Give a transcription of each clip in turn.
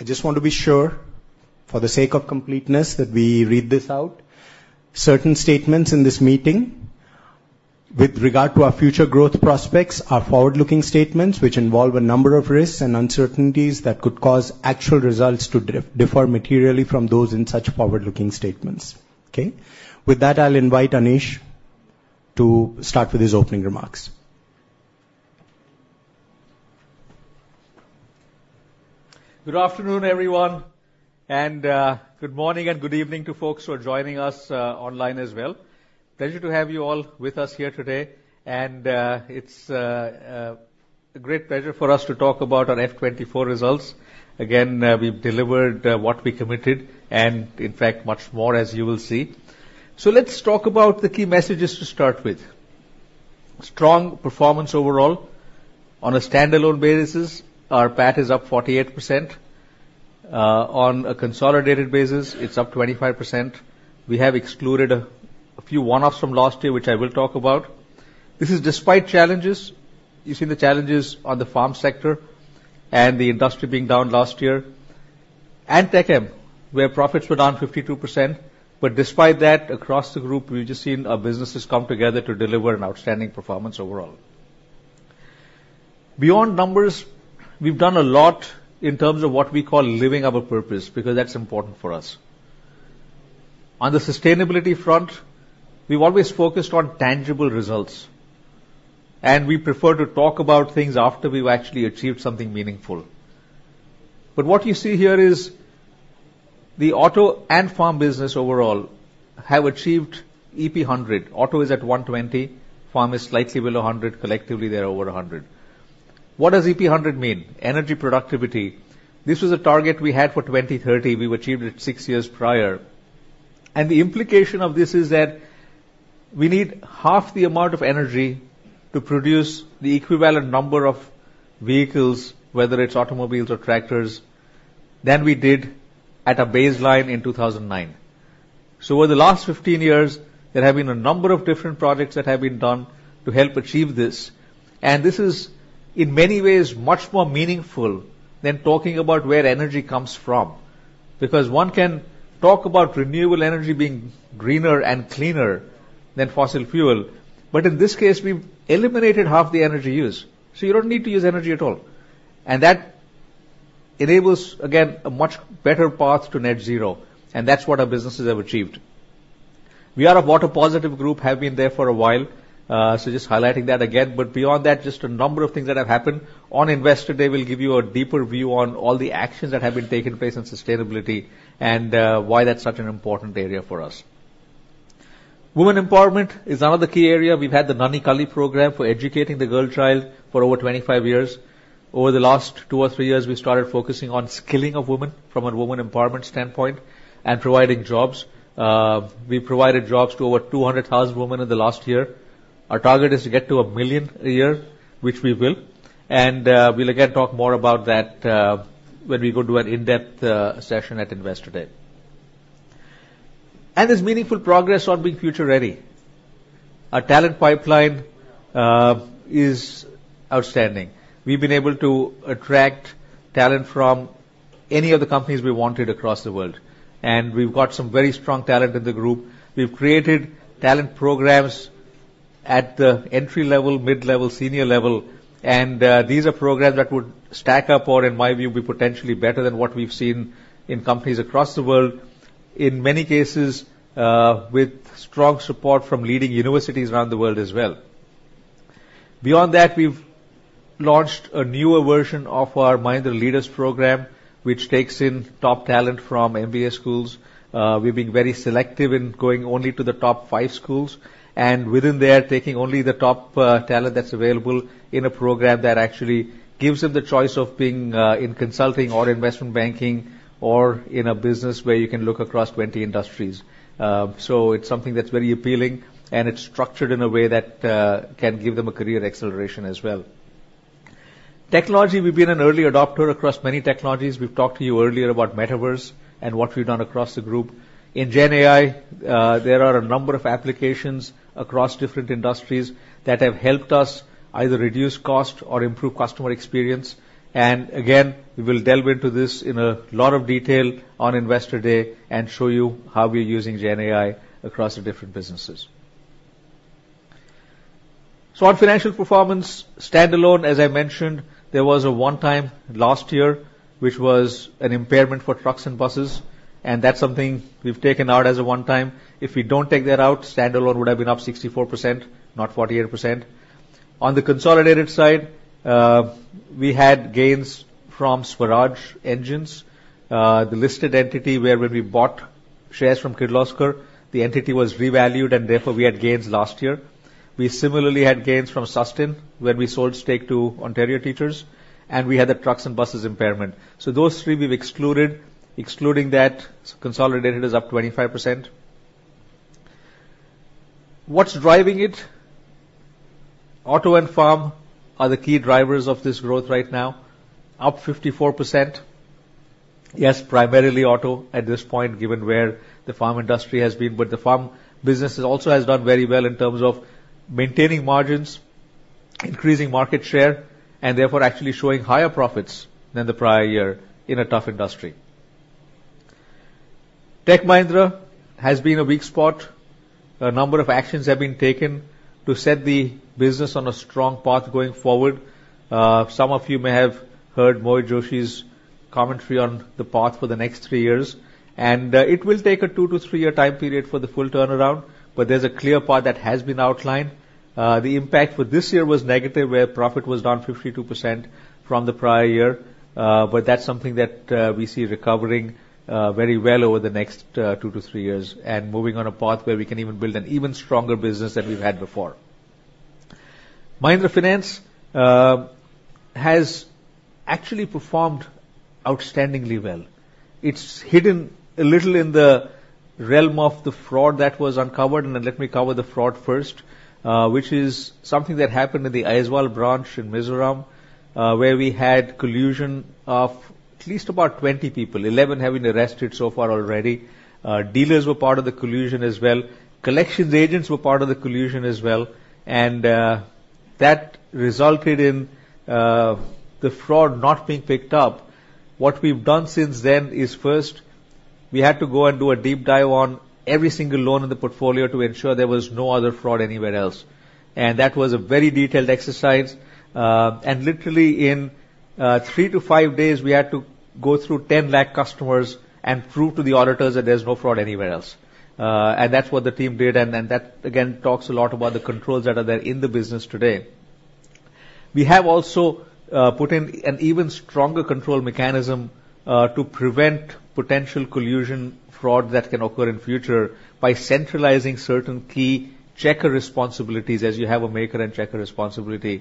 I just want to be sure, for the sake of completeness, that we read this out. Certain statements in this meeting with regard to our future growth prospects are forward-looking statements, which involve a number of risks and uncertainties that could cause actual results to differ materially from those in such forward-looking statements, okay? With that, I'll invite Anish to start with his opening remarks. Good afternoon, everyone, and good morning and good evening to folks who are joining us online as well. Pleasure to have you all with us here today, and it's a great pleasure for us to talk about our FY 2024 results. Again, we've delivered what we committed and, in fact, much more, as you will see. So let's talk about the key messages to start with. Strong performance overall. On a standalone basis, our PAT is up 48%. On a consolidated basis, it's up 25%. We have excluded a few one-offs from last year, which I will talk about. This is despite challenges. You see the challenges on the farm sector and the industry being down last year, and Tech Mahindra, where profits were down 52%. But despite that, across the group, we've just seen our businesses come together to deliver an outstanding performance overall. Beyond numbers, we've done a lot in terms of what we call living our purpose, because that's important for us. On the sustainability front, we've always focused on tangible results, and we prefer to talk about things after we've actually achieved something meaningful. But what you see here is the auto and farm business overall have achieved EP100. Auto is at 120, farm is slightly below 100. Collectively, they are over 100. What does EP100 mean? Energy productivity. This was a target we had for 2030. We've achieved it six years prior. The implication of this is that we need half the amount of energy to produce the equivalent number of vehicles, whether it's automobiles or tractors, than we did at a baseline in 2009. So over the last 15 years, there have been a number of different projects that have been done to help achieve this, and this is, in many ways, much more meaningful than talking about where energy comes from, because one can talk about renewable energy being greener and cleaner than fossil fuel, but in this case, we've eliminated half the energy used, so you don't need to use energy at all. And that enables, again, a much better path to net zero, and that's what our businesses have achieved. We are a water-positive group, have been there for a while, so just highlighting that again. Beyond that, just a number of things that have happened. On Investor Day, we'll give you a deeper view on all the actions that have been taking place in sustainability and why that's such an important area for us. Women empowerment is another key area. We've had the Nanhi Kali program for educating the girl child for over 25 years. Over the last two or three years, we started focusing on skilling of women from a woman empowerment standpoint and providing jobs. We provided jobs to over 200,000 women in the last year. Our target is to get to 1 million a year, which we will, and we'll again talk more about that when we go to an in-depth session at Investor Day. There's meaningful progress on being future-ready. Our talent pipeline is outstanding. We've been able to attract talent from any of the companies we wanted across the world, and we've got some very strong talent in the group. We've created talent programs at the entry level, mid-level, senior level, and these are programs that would stack up or, in my view, be potentially better than what we've seen in companies across the world. In many cases, with strong support from leading universities around the world as well. Beyond that, we've launched a newer version of our Mahindra Leaders program, which takes in top talent from MBA schools. We've been very selective in going only to the top five schools, and within there, taking only the top talent that's available in a program that actually gives them the choice of being in consulting or investment banking or in a business where you can look across 20 industries. So it's something that's very appealing, and it's structured in a way that can give them a career acceleration as well. Technology, we've been an early adopter across many technologies. We've talked to you earlier about metaverse and what we've done across the group. In GenAI, there are a number of applications across different industries that have helped us either reduce cost or improve customer experience. And again, we will delve into this in a lot of detail on Investor Day and show you how we're using GenAI across the different businesses. So on financial performance, standalone, as I mentioned, there was a one-time last year, which was an impairment for trucks and buses, and that's something we've taken out as a one-time. If we don't take that out, standalone would have been up 64%, not 48%. On the consolidated side, we had gains from Swaraj Engines, the listed entity where when we bought shares from Kirloskar, the entity was revalued, and therefore, we had gains last year. We similarly had gains from Susten, when we sold stake to Ontario Teachers, and we had the trucks and buses impairment. So those three, we've excluded. Excluding that, consolidated is up 25%. What's driving it? Auto and farm are the key drivers of this growth right now, up 54%. Yes, primarily auto at this point, given where the farm industry has been, but the farm business also has done very well in terms of maintaining margins, increasing market share, and therefore actually showing higher profits than the prior year in a tough industry. Tech Mahindra has been a weak spot. A number of actions have been taken to set the business on a strong path going forward. Some of you may have heard Mohit Joshi's commentary on the path for the next three years, and it will take a 2- to 3-year time period for the full turnaround, but there's a clear path that has been outlined. The impact for this year was negative, where profit was down 52% from the prior year, but that's something that we see recovering very well over the next 2-3 years, and moving on a path where we can even build an even stronger business than we've had before. Mahindra Finance has actually performed outstandingly well. It's hidden a little in the realm of the fraud that was uncovered, and let me cover the fraud first, which is something that happened in the Aizawl branch in Mizoram, where we had collusion of at least about 20 people, 11 having been arrested so far already. Dealers were part of the collusion as well. Collections agents were part of the collusion as well, and that resulted in the fraud not being picked up. What we've done since then is first, we had to go and do a deep dive on every single loan in the portfolio to ensure there was no other fraud anywhere else, and that was a very detailed exercise. And literally in 3-5 days, we had to go through 10 lakh customers and prove to the auditors that there's no fraud anywhere else. And that's what the team did, and then that, again, talks a lot about the controls that are there in the business today. We have also put in an even stronger control mechanism to prevent potential collusion fraud that can occur in future by centralizing certain key checker responsibilities, as you have a maker and checker responsibility,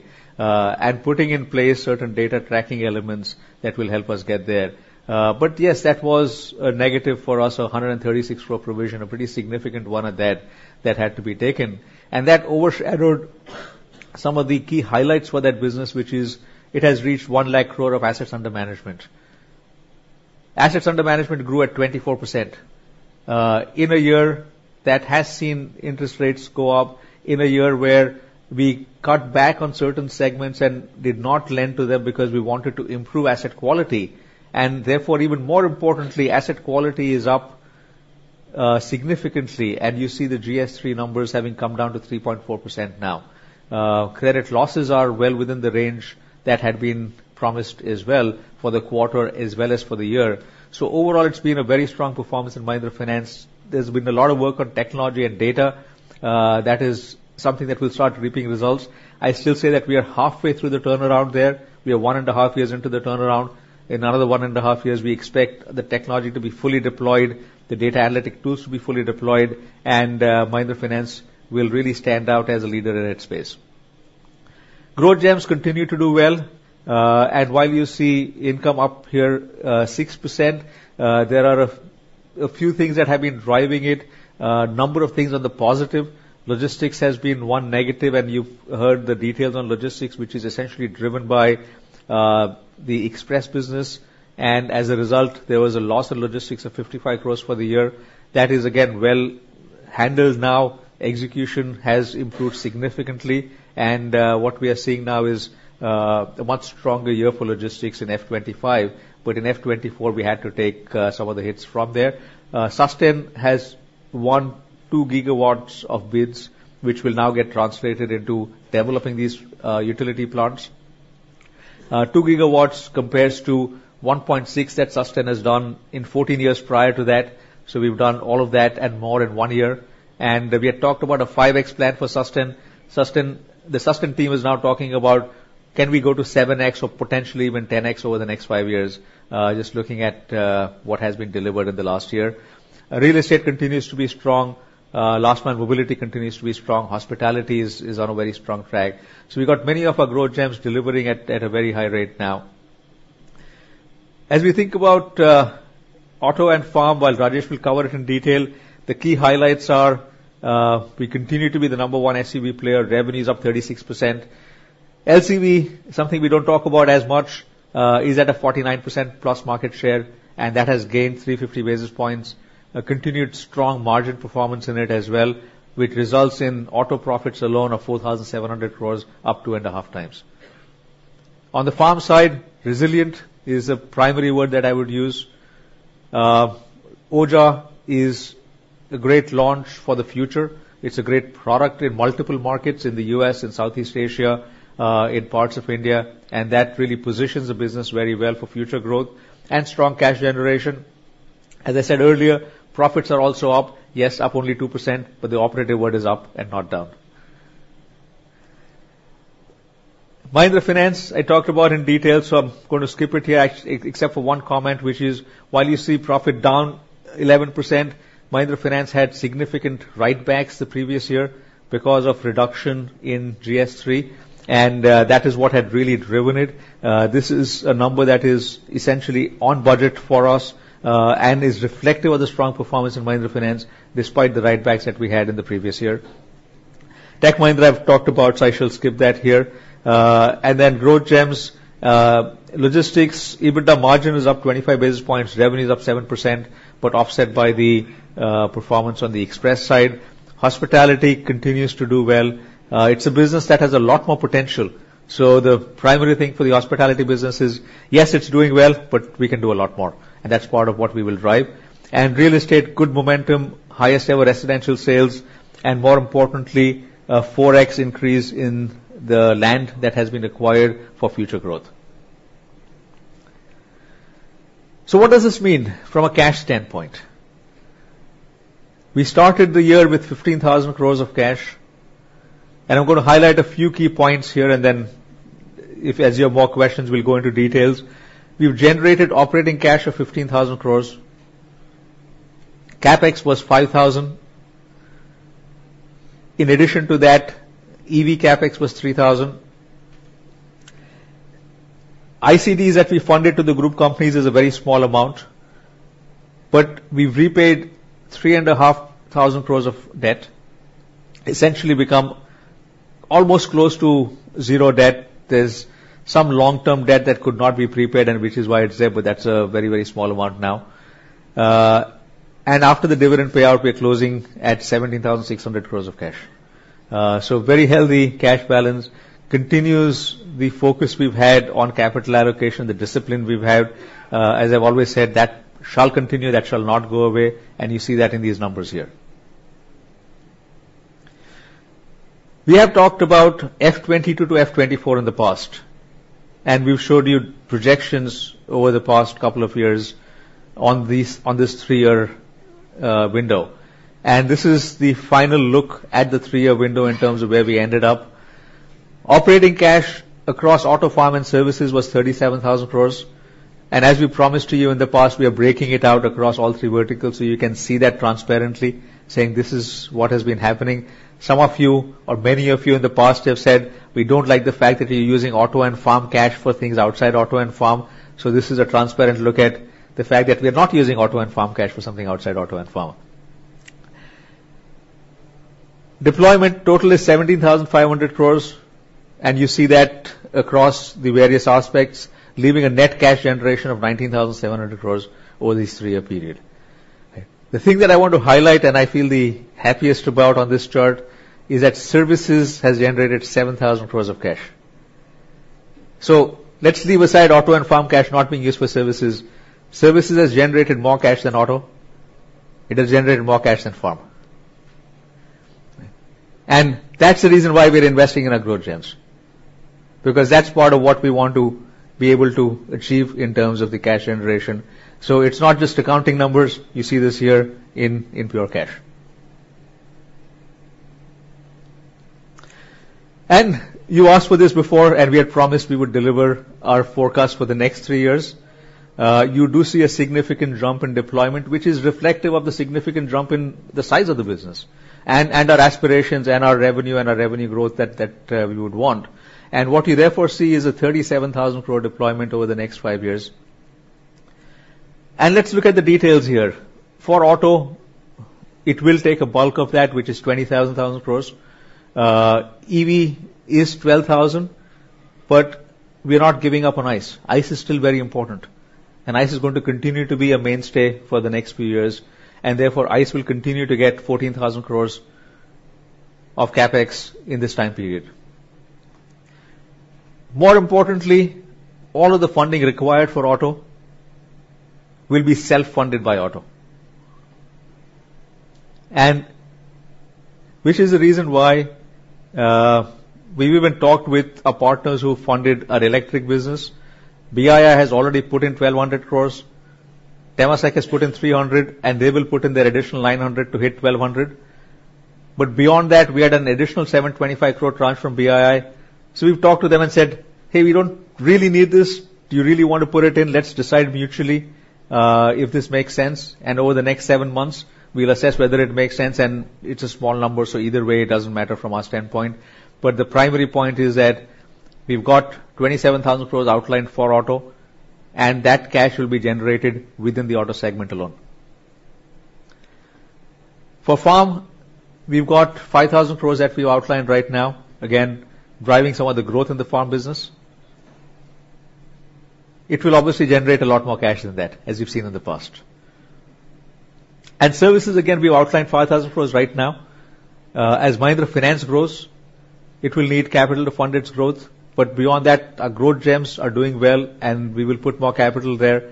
and putting in place certain data tracking elements that will help us get there. But yes, that was a negative for us, 136 crore provision, a pretty significant one at that, that had to be taken. And that overshadowed some of the key highlights for that business, which is it has reached 100,000 crore of assets under management. Assets under management grew at 24%, in a year that has seen interest rates go up, in a year where we cut back on certain segments and did not lend to them because we wanted to improve asset quality, and therefore, even more importantly, asset quality is up, significantly, and you see the GS3 numbers having come down to 3.4% now. Credit losses are well within the range that had been promised as well for the quarter, as well as for the year. So overall, it's been a very strong performance in Mahindra Finance. There's been a lot of work on technology and data. That is something that will start reaping results. I still say that we are halfway through the turnaround there. We are one and a half years into the turnaround. In another one and a half years, we expect the technology to be fully deployed, the data analytic tools to be fully deployed, and Mahindra Finance will really stand out as a leader in its space. Growth Gems continue to do well, and while you see income up here, 6%, there are a few things that have been driving it. A number of things on the positive. Logistics has been one negative, and you've heard the details on logistics, which is essentially driven by the express business, and as a result, there was a loss in logistics of 55 crore for the year. That is, again, well handled now. Execution has improved significantly, and what we are seeing now is a much stronger year for logistics in FY 2025. But in FY 2024, we had to take some of the hits from there. Susten has won 2 GW of bids, which will now get translated into developing these utility plants. 2 GW compares to 1.6 that Susten has done in 14 years prior to that. So we've done all of that and more in one year. And we had talked about a 5x plan for Susten. Susten... The Susten team is now talking about, "Can we go to 7x or potentially even 10x over the next five years?" Just looking at what has been delivered in the last year. Real Estate continues to be strong. Last Mile Mobility continues to be strong. Hospitality is on a very strong track. So we've got many of our Growth Gems delivering at a very high rate now. As we think about auto and farm, while Rajesh will cover it in detail, the key highlights are, we continue to be the number one SUV player. Revenue is up 36%. LCV, something we don't talk about as much, is at a 49%+ market share, and that has gained 350 basis points. A continued strong margin performance in it as well, which results in auto profits alone of 4,700 crore, up 2.5 times. On the farm side, resilient is a primary word that I would use. Oja is a great launch for the future. It's a great product in multiple markets in the U.S., in Southeast Asia, in parts of India, and that really positions the business very well for future growth and strong cash generation. As I said earlier, profits are also up. Yes, up only 2%, but the operative word is up and not down. Mahindra Finance, I talked about in detail, so I'm going to skip it here, except for one comment, which is: while you see profit down 11%, Mahindra Finance had significant write-backs the previous year because of reduction in GS3, and that is what had really driven it. This is a number that is essentially on budget for us, and is reflective of the strong performance of Mahindra Finance, despite the write-backs that we had in the previous year. Tech Mahindra, I've talked about, so I shall skip that here. And then Growth Gems, logistics, EBITDA margin is up 25 basis points, revenue is up 7%, but offset by the performance on the express side. Hospitality continues to do well. It's a business that has a lot more potential. So the primary thing for the hospitality business is, yes, it's doing well, but we can do a lot more, and that's part of what we will drive. And Real Estate, good momentum, highest-ever residential sales, and more importantly, a 4x increase in the land that has been acquired for future growth. So what does this mean from a cash standpoint? We started the year with 15,000 crore of cash, and I'm going to highlight a few key points here, and then if, as you have more questions, we'll go into details. We've generated operating cash of 15,000 crore. CapEx was 5,000 crore. In addition to that, EV CapEx was 3,000 crore. ICDs that we funded to the group companies is a very small amount, but we've repaid 3,500 crore of debt, essentially become almost close to zero debt. There's some long-term debt that could not be prepaid, and which is why it's there, but that's a very, very small amount now. After the dividend payout, we're closing at 17,600 crore of cash. Very healthy cash balance. Continues the focus we've had on capital allocation, the discipline we've had, as I've always said, that shall continue, that shall not go away, and you see that in these numbers here. We have talked about FY 2022 to FY 2024 in the past, and we've showed you projections over the past couple of years on these, on this three-year window. This is the final look at the three-year window in terms of where we ended up. Operating cash across auto, farm, and services was 37,000 crore. As we promised to you in the past, we are breaking it out across all three verticals, so you can see that transparently, saying, "This is what has been happening." Some of you, or many of you in the past, have said, "We don't like the fact that you're using auto and farm cash for things outside auto and farm." This is a transparent look at the fact that we are not using auto and farm cash for something outside auto and farm. Deployment total is 17,500 crore, and you see that across the various aspects, leaving a net cash generation of 19,700 crore over this three-year period. The thing that I want to highlight, and I feel the happiest about on this chart, is that services has generated 7,000 crore of cash. So let's leave aside auto and farm cash not being used for services. Services has generated more cash than auto. It has generated more cash than farm. And that's the reason why we're investing in our Growth Gems, because that's part of what we want to be able to achieve in terms of the cash generation. So it's not just accounting numbers. You see this here in pure cash. And you asked for this before, and we had promised we would deliver our forecast for the next three years. You do see a significant jump in deployment, which is reflective of the significant jump in the size of the business, and, and our aspirations and our revenue and our revenue growth that, that, we would want. What you therefore see is a 37,000 crore deployment over the next five years. Let's look at the details here. For auto, it will take a bulk of that, which is 20,000 crore. EV is 12,000 crore, but we are not giving up on ICE. ICE is still very important, and ICE is going to continue to be a mainstay for the next few years, and therefore, ICE will continue to get 14,000 crore of CapEx in this time period. More importantly, all of the funding required for auto will be self-funded by auto. And which is the reason why, we even talked with our partners who funded our electric business. BII has already put in 1,200 crore. Temasek has put in 300, and they will put in their additional 900 to hit 1,200. But beyond that, we had an additional 725 crore tranche from BII. So we've talked to them and said, "Hey, we don't really need this. Do you really want to put it in? Let's decide mutually, if this makes sense." And over the next seven months, we'll assess whether it makes sense, and it's a small number, so either way, it doesn't matter from our standpoint. But the primary point is that we've got 27,000 crore outlined for auto, and that cash will be generated within the auto segment alone. For farm, we've got 5,000 crore that we've outlined right now, again, driving some of the growth in the farm business. It will obviously generate a lot more cash than that, as you've seen in the past. Services, again, we've outlined 5,000 crore right now. As Mahindra Finance grows, it will need capital to fund its growth, but beyond that, our Growth Gems are doing well, and we will put more capital there.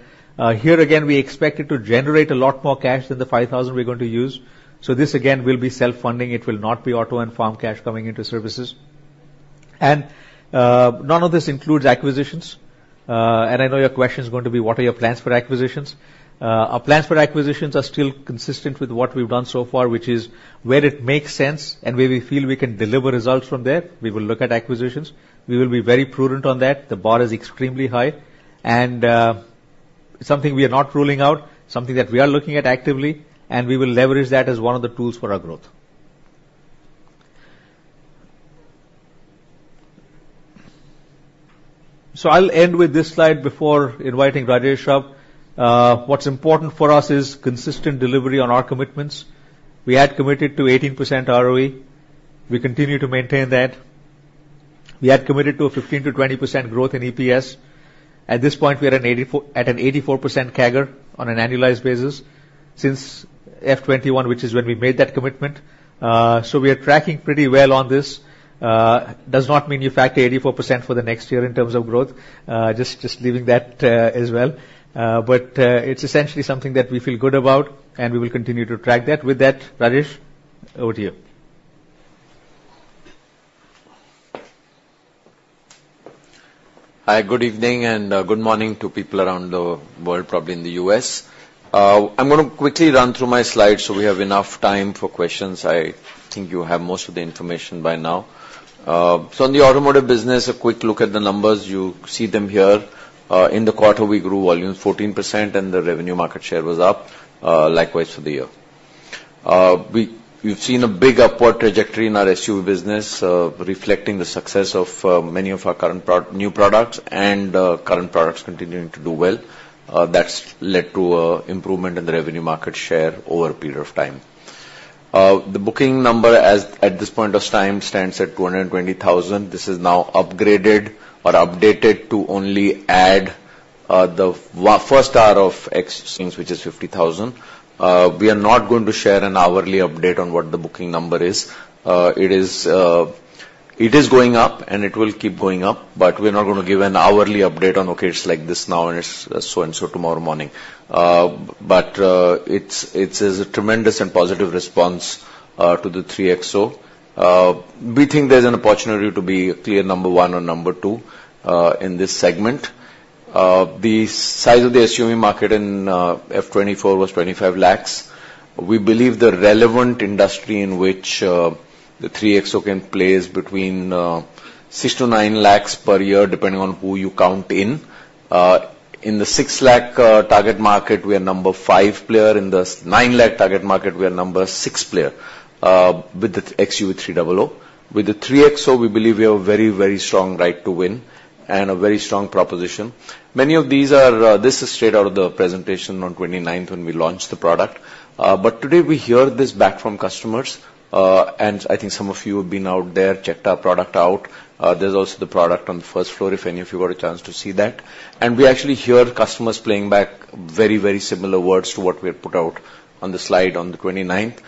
Here again, we expect it to generate a lot more cash than the 5,000 crore we're going to use. So this again, will be self-funding. It will not be auto and farm cash coming into services. None of this includes acquisitions. I know your question is going to be: What are your plans for acquisitions? Our plans for acquisitions are still consistent with what we've done so far, which is where it makes sense and where we feel we can deliver results from there, we will look at acquisitions. We will be very prudent on that. The bar is extremely high, and, something we are not ruling out, something that we are looking at actively, and we will leverage that as one of the tools for our growth. So I'll end with this slide before inviting Rajesh Jejurikar. What's important for us is consistent delivery on our commitments. We had committed to 18% ROE. We continue to maintain that. We had committed to a 15%-20% growth in EPS. At this point, we are at an 84, at an 84% CAGR on an annualized basis since FY 2021, which is when we made that commitment. So we are tracking pretty well on this. Does not mean you factor 84% for the next year in terms of growth, just, just leaving that, as well. But, it's essentially something that we feel good about, and we will continue to track that. With that, Rajesh, over to you. Hi, good evening, and good morning to people around the world, probably in the US. I'm gonna quickly run through my slides so we have enough time for questions. I think you have most of the information by now. On the automotive business, a quick look at the numbers, you see them here. In the quarter, we grew volume 14%, and the revenue market share was up, likewise for the year. We've seen a big upward trajectory in our SUV business, reflecting the success of many of our current and new products and current products continuing to do well. That's led to improvement in the revenue market share over a period of time. The booking number as at this point of time stands at 220,000. This is now upgraded or updated to only add the first hour of XUV 3XO, which is 50,000. We are not going to share an hourly update on what the booking number is. It is going up, and it will keep going up, but we're not gonna give an hourly update on, "Okay, it's like this now, and it's so and so tomorrow morning." But it's a tremendous and positive response to the XUV 3XO. We think there's an opportunity to be a clear number one or number two in this segment. The size of the SUV market in FY 2024 was 2,500,000. We believe the relevant industry in which the XUV 3XO can play is between 600,000-900,000 per year, depending on who you count in. In the 6 lakh target market, we are number five player. In the 9 lakh target market, we are number six player, with the XUV300. With the 3XO, we believe we have a very, very strong right to win and a very strong proposition. Many of these are, this is straight out of the presentation on 29th when we launched the product. But today, we hear this back from customers, and I think some of you have been out there, checked our product out. There's also the product on the first floor, if any of you got a chance to see that. And we actually hear customers playing back very, very similar words to what we had put out on the slide on the 29th.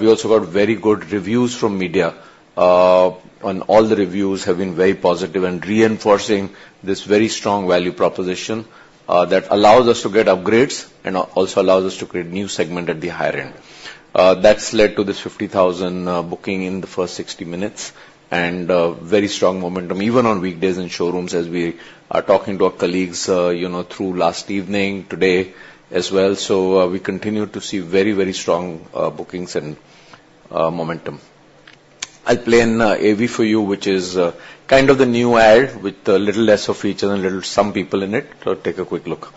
We also got very good reviews from media. And all the reviews have been very positive and reinforcing this very strong value proposition, that allows us to get upgrades and also allows us to create a new segment at the higher end. That's led to this 50,000 booking in the first 60 minutes and very strong momentum, even on weekdays in showrooms, as we are talking to our colleagues, you know, through last evening, today as well. So we continue to see very, very strong bookings and momentum. I'll play an AV for you, which is kind of the new ad with a little less of each and a little some people in it. So take a quick look.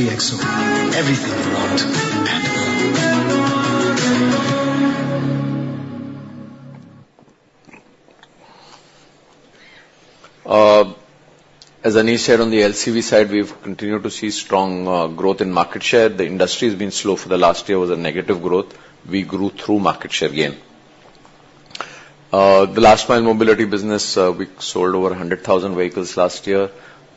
The Mahindra XUV 3XO, everything about it. As Anish said, on the LCV side, we've continued to see strong growth in market share. The industry has been slow for the last year, was a negative growth. We grew through market share gain. The Last Mile Mobility business, we sold over 100,000 vehicles last year.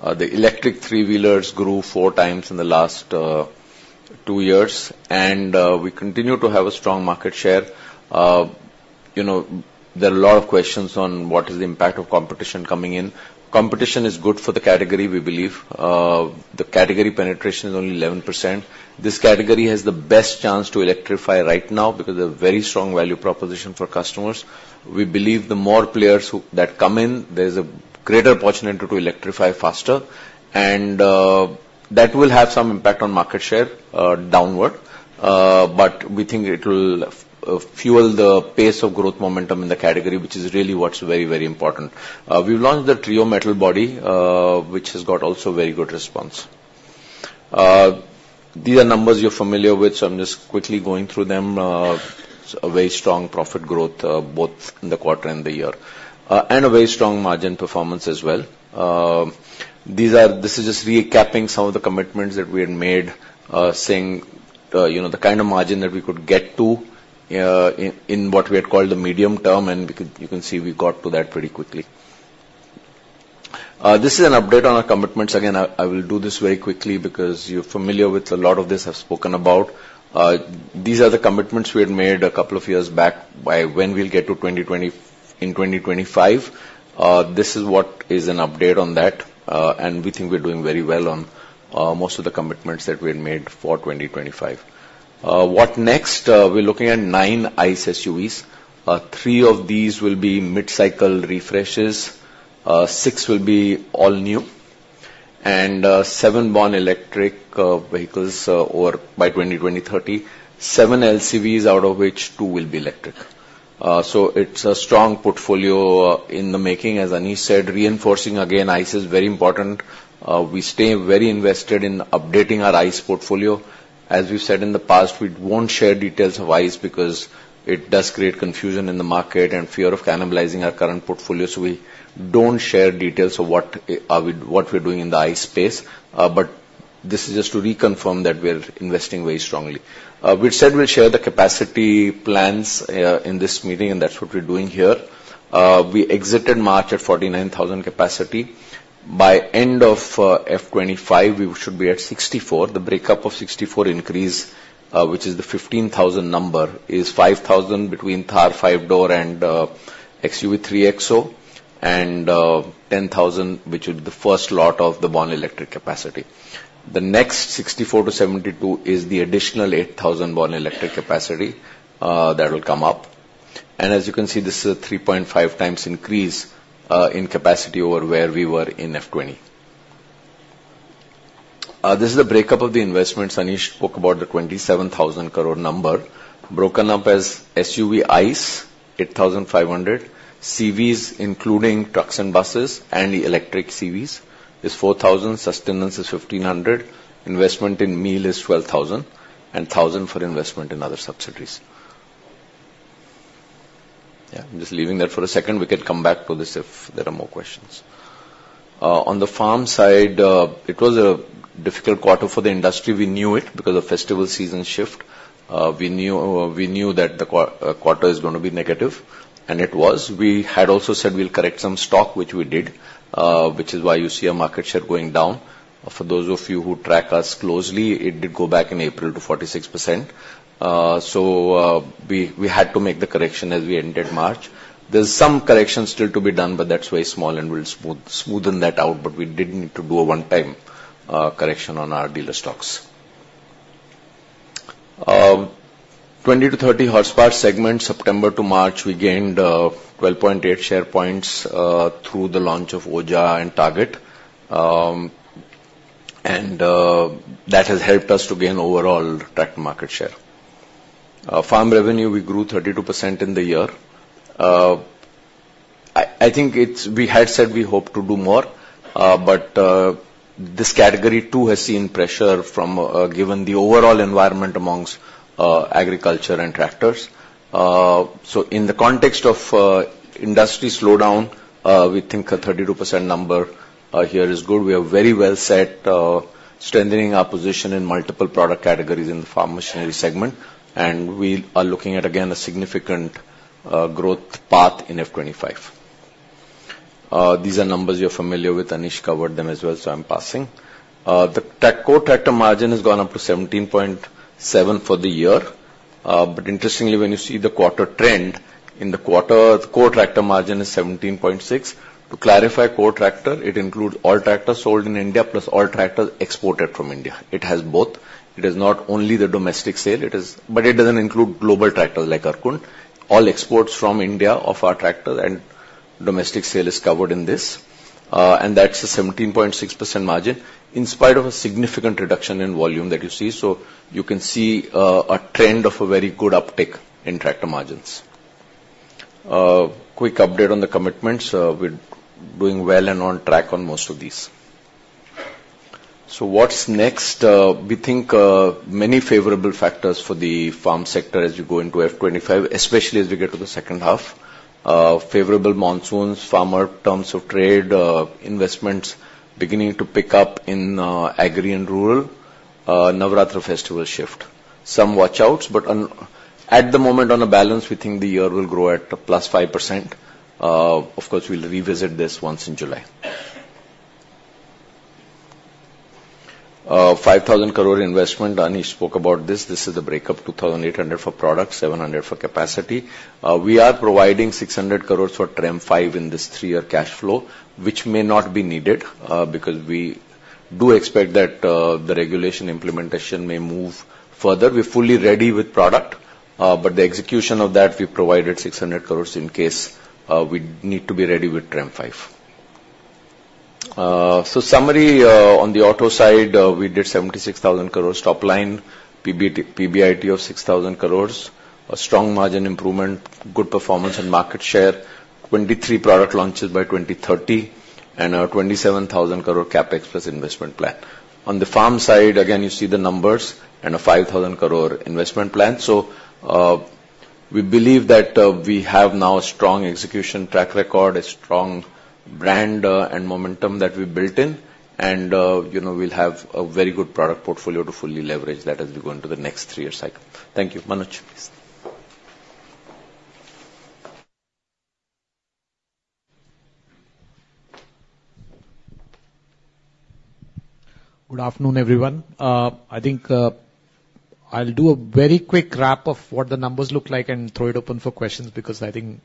The electric three-wheelers grew four times in the last two years, and we continue to have a strong market share. You know, there are a lot of questions on what is the impact of competition coming in. Competition is good for the category, we believe. The category penetration is only 11%. This category has the best chance to electrify right now because of a very strong value proposition for customers. We believe the more players that come in, there's a greater opportunity to electrify faster, and, that will have some impact on market share, downward. But we think it will, fuel the pace of growth momentum in the category, which is really what's very, very important. We've launched the Treo metal body, which has got also very good response. These are numbers you're familiar with, so I'm just quickly going through them. A very strong profit growth, both in the quarter and the year, and a very strong margin performance as well. This is just recapping some of the commitments that we had made, saying, you know, the kind of margin that we could get to, in what we had called the medium term, and we could, you can see we got to that pretty quickly. This is an update on our commitments. Again, I will do this very quickly because you're familiar with a lot of this, I've spoken about. These are the commitments we had made a couple of years back by when we'll get to 2025. This is what is an update on that, and we think we're doing very well on most of the commitments that we had made for 2025. What next? We're looking at 9 ICE SUVs. Three of these will be mid-cycle refreshes, six will be all new, and seven Born Electric vehicles by 2030. Seven LCVs, out of which two will be electric. So it's a strong portfolio in the making. As Anish said, reinforcing again, ICE is very important. We stay very invested in updating our ICE portfolio. As we've said in the past, we won't share details of ICE because it does create confusion in the market and fear of cannibalizing our current portfolio, so we don't share details of what we're doing in the ICE space. But this is just to reconfirm that we're investing very strongly. We said we'll share the capacity plans in this meeting, and that's what we're doing here. We exited March at 49,000 capacity. By end of FY 25, we should be at 64. The breakup of 64 increase, which is the 15,000 number, is 5,000 between Thar 5-door and XUV 3XO, and 10,000, which would be the first lot of the Born Electric capacity. The next 64-72 is the additional 8,000 Born Electric capacity that will come up, and as you can see, this is a 3.5 times increase in capacity over where we were in FY 20. This is a breakup of the investments. Anish spoke about the 27,000 crore number, broken up as SUV ICE, 8,500 crore; CVs, including trucks and buses, and the electric CVs, is 4,000 crore; Susten is 1,500 crore; investment in MEAL is 12,000 crore, and 1,000 crore for investment in other subsidiaries. Yeah, I'm just leaving that for a second. We can come back to this if there are more questions. On the farm side, it was a difficult quarter for the industry. We knew it because of festival season shift. We knew, we knew that the quarter is gonna be negative, and it was. We had also said we'll correct some stock, which we did, which is why you see a market share going down. For those of you who track us closely, it did go back in April to 46%. So, we had to make the correction as we ended March. There's some correction still to be done, but that's very small, and we'll smoothen that out, but we didn't need to do a one-time correction on our dealer stocks. 20-30 horsepower segment, September to March, we gained 12.8 share points through the launch of Oja and Target. And that has helped us to gain overall tractor market share. Farm revenue, we grew 32% in the year. I think it's... We had said we hope to do more, but this category, too, has seen pressure from given the overall environment amongst agriculture and tractors. So in the context of a industry slowdown, we think a 32% number here is good. We are very well set, strengthening our position in multiple product categories in the Farm Machinery segment, and we are looking at, again, a significant growth path in FY 2025. These are numbers you're familiar with. Anish covered them as well, so I'm passing. The core tractor margin has gone up to 17.7 for the year, but interestingly, when you see the quarter trend, in the quarter, the core tractor margin is 17.6. To clarify, core tractor, it includes all tractors sold in India, plus all tractors exported from India. It has both. It is not only the domestic sale, it is, but it doesn't include global tractors like Arjun. All exports from India of our tractor and domestic sale is covered in this, and that's a 17.6% margin, in spite of a significant reduction in volume that you see. So you can see a trend of a very good uptick in tractor margins. Quick update on the commitments. We're doing well and on track on most of these. So what's next? We think many favorable factors for the farm sector as you go into FY 25, especially as we get to the second half. Favorable monsoons, farmer terms of trade, investments beginning to pick up in agri and rural, Navaratri festival shift. Some watch outs, but at the moment, on balance, we think the year will grow at +5%. Of course, we'll revisit this once in July. 5,000 crore investment, Anish spoke about this. This is the breakup, 2,800 for product, 700 for capacity. We are providing 600 crore for TREM V in this three-year cash flow, which may not be needed, because we do expect that the regulation implementation may move further. We're fully ready with product, but the execution of that, we provided 600 crore in case we need to be ready with TREM V. So summary, on the Auto side, we did 76,000 crore top line, PBIT, PBIT of 6,000 crore, a strong margin improvement, good performance and market share, 23 product launches by 2030, and a 27,000 crore CapEx plus investment plan. On the Farm side, again, you see the numbers and a 5,000 crore investment plan. So, we believe that, we have now a strong execution track record, a strong brand, and momentum that we built in, and, you know, we'll have a very good product portfolio to fully leverage that as we go into the next three-year cycle. Thank you. Manoj, please. Good afternoon, everyone. I think, I'll do a very quick wrap of what the numbers look like and throw it open for questions, because I think,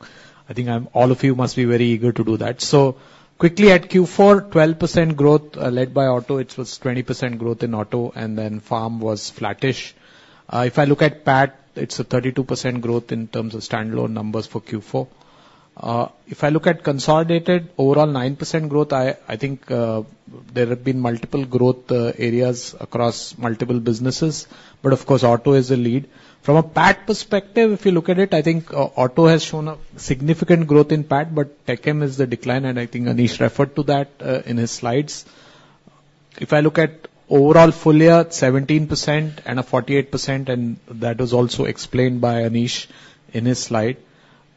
I think I'm-- all of you must be very eager to do that. So quickly, at Q4, 12% growth, led by auto. It was 20% growth in auto, and then farm was flattish. If I look at PAT, it's a 32% growth in terms of standalone numbers for Q4. If I look at consolidated, overall 9% growth, I, I think, there have been multiple growth areas across multiple businesses, but of course, auto is a lead. From a PAT perspective, if you look at it, I think auto has shown a significant growth in PAT, but Tech M is the decline, and I think Anish referred to that in his slides. If I look at overall full year, 17% and a 48%, and that is also explained by Anish in his slide.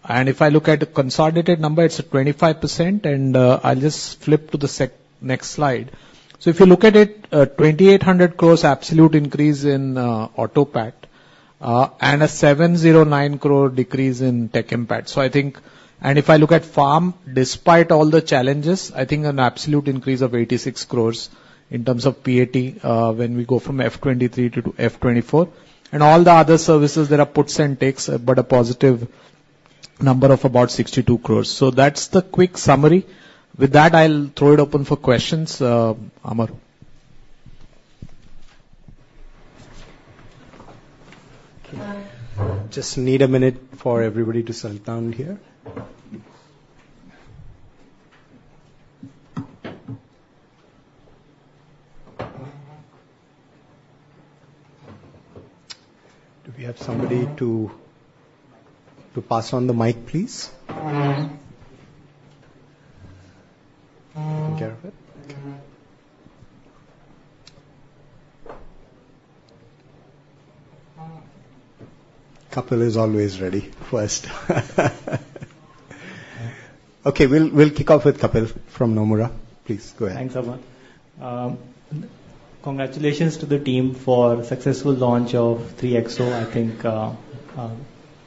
And if I look at the consolidated number, it's a 25%, and I'll just flip to the next slide. So if you look at it, 2,800 crore absolute increase in auto PAT, and a 709 crore decrease in Tech M PAT. So I think... And if I look at farm, despite all the challenges, I think an absolute increase of 86 crore in terms of PAT, when we go from FY 2023 to FY 2024. All the other services, there are puts and takes, but a positive number of about 62 crore. That's the quick summary. With that, I'll throw it open for questions. Amar? Just need a minute for everybody to settle down here. Do we have somebody to pass on the mic, please? Taking care of it. Kapil is always ready first. Okay, we'll kick off with Kapil from Nomura. Please, go ahead. Thanks, Amar. Congratulations to the team for successful launch of 3XO. I think,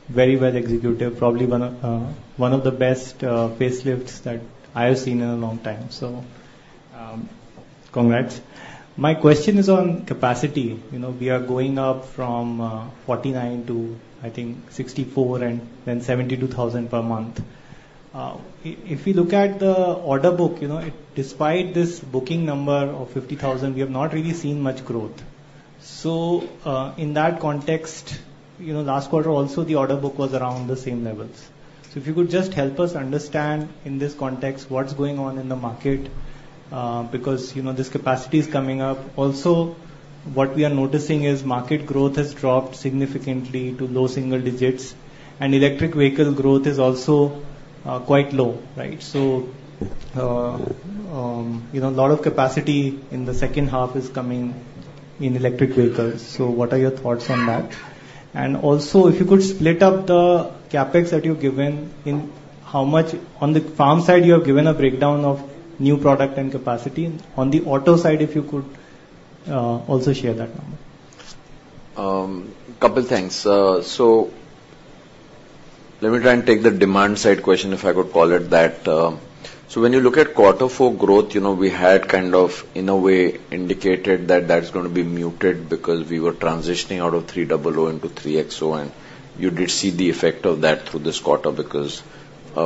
very well executed, probably one of, one of the best, facelifts that I have seen in a long time. So, congrats. My question is on capacity. You know, we are going up from, 49 to, I think, 64 and then 72,000 per month. If we look at the order book, you know, it, despite this booking number of 50,000, we have not really seen much growth. So, in that context, you know, last quarter also, the order book was around the same levels. So if you could just help us understand, in this context, what's going on in the market, because, you know, this capacity is coming up. Also, what we are noticing is market growth has dropped significantly to low single digits, and electric vehicle growth is also quite low, right? So, you know, a lot of capacity in the second half is coming in electric vehicles. So what are your thoughts on that? And also, if you could split up the CapEx that you've given in how much... On the farm side, you have given a breakdown of new product and capacity. On the auto side, if you could also share that number. Couple things. So let me try and take the demand side question, if I could call it that. So when you look at quarter four growth, you know, we had kind of, in a way, indicated that that's going to be muted because we were transitioning out of 300 into 3XO, and you did see the effect of that through this quarter, because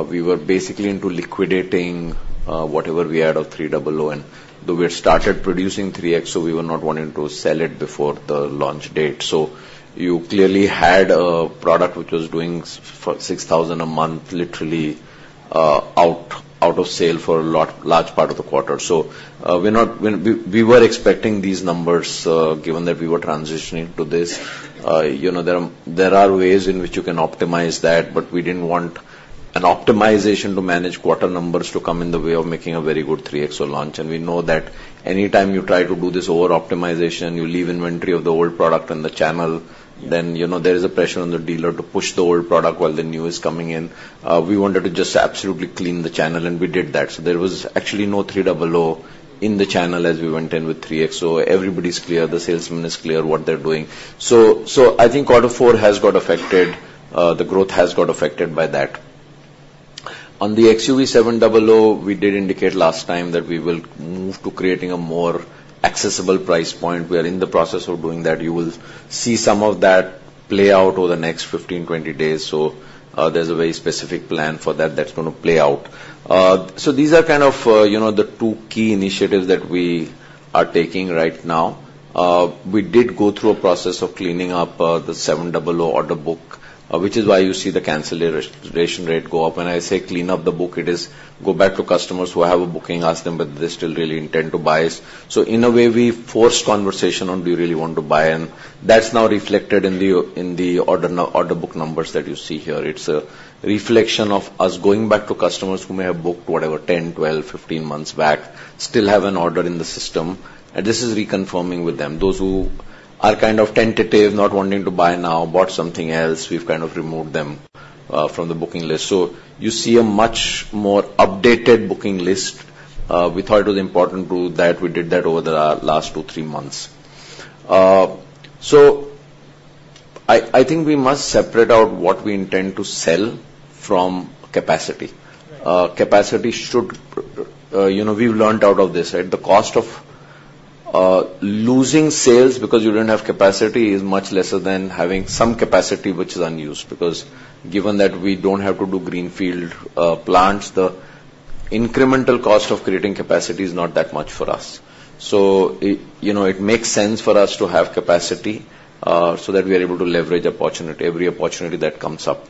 we were basically into liquidating whatever we had of 300. And though we had started producing 3XO, we were not wanting to sell it before the launch date. So you clearly had a product which was doing 6,000 a month, literally, out of sale for a large part of the quarter. So we were expecting these numbers, given that we were transitioning to this. You know, there are, there are ways in which you can optimize that, but we didn't want an optimization to manage quarter numbers to come in the way of making a very good 3XO launch. And we know that any time you try to do this over-optimization, you leave inventory of the old product in the channel, then, you know, there is a pressure on the dealer to push the old product while the new is coming in. We wanted to just absolutely clean the channel, and we did that. So there was actually no 300 in the channel as we went in with 3XO. Everybody's clear, the salesman is clear what they're doing. So, so I think quarter four has got affected, the growth has got affected by that. On the XUV700, we did indicate last time that we will move to creating a more accessible price point. We are in the process of doing that. You will see some of that play out over the next 15, 20 days. So, there's a very specific plan for that, that's gonna play out. So these are kind of, you know, the two key initiatives that we are taking right now. We did go through a process of cleaning up the 700 order book, which is why you see the cancellation rate go up. When I say clean up the book, it is go back to customers who have a booking, ask them if they still really intend to buy. So in a way, we forced conversation on, "Do you really want to buy?" And that's now reflected in the, in the order book numbers that you see here. It's a reflection of us going back to customers who may have booked, whatever, 10, 12, 15 months back, still have an order in the system, and this is reconfirming with them. Those who are kind of tentative, not wanting to buy now, bought something else, we've kind of removed them from the booking list. So you see a much more updated booking list. We thought it was important to do that. We did that over the last two, three months. So I think we must separate out what we intend to sell from capacity. Right. Capacity should, you know, we've learned out of this, right? The cost of losing sales because you didn't have capacity is much lesser than having some capacity which is unused. Because given that we don't have to do greenfield plants, the incremental cost of creating capacity is not that much for us. So, you know, it makes sense for us to have capacity, so that we are able to leverage opportunity, every opportunity that comes up.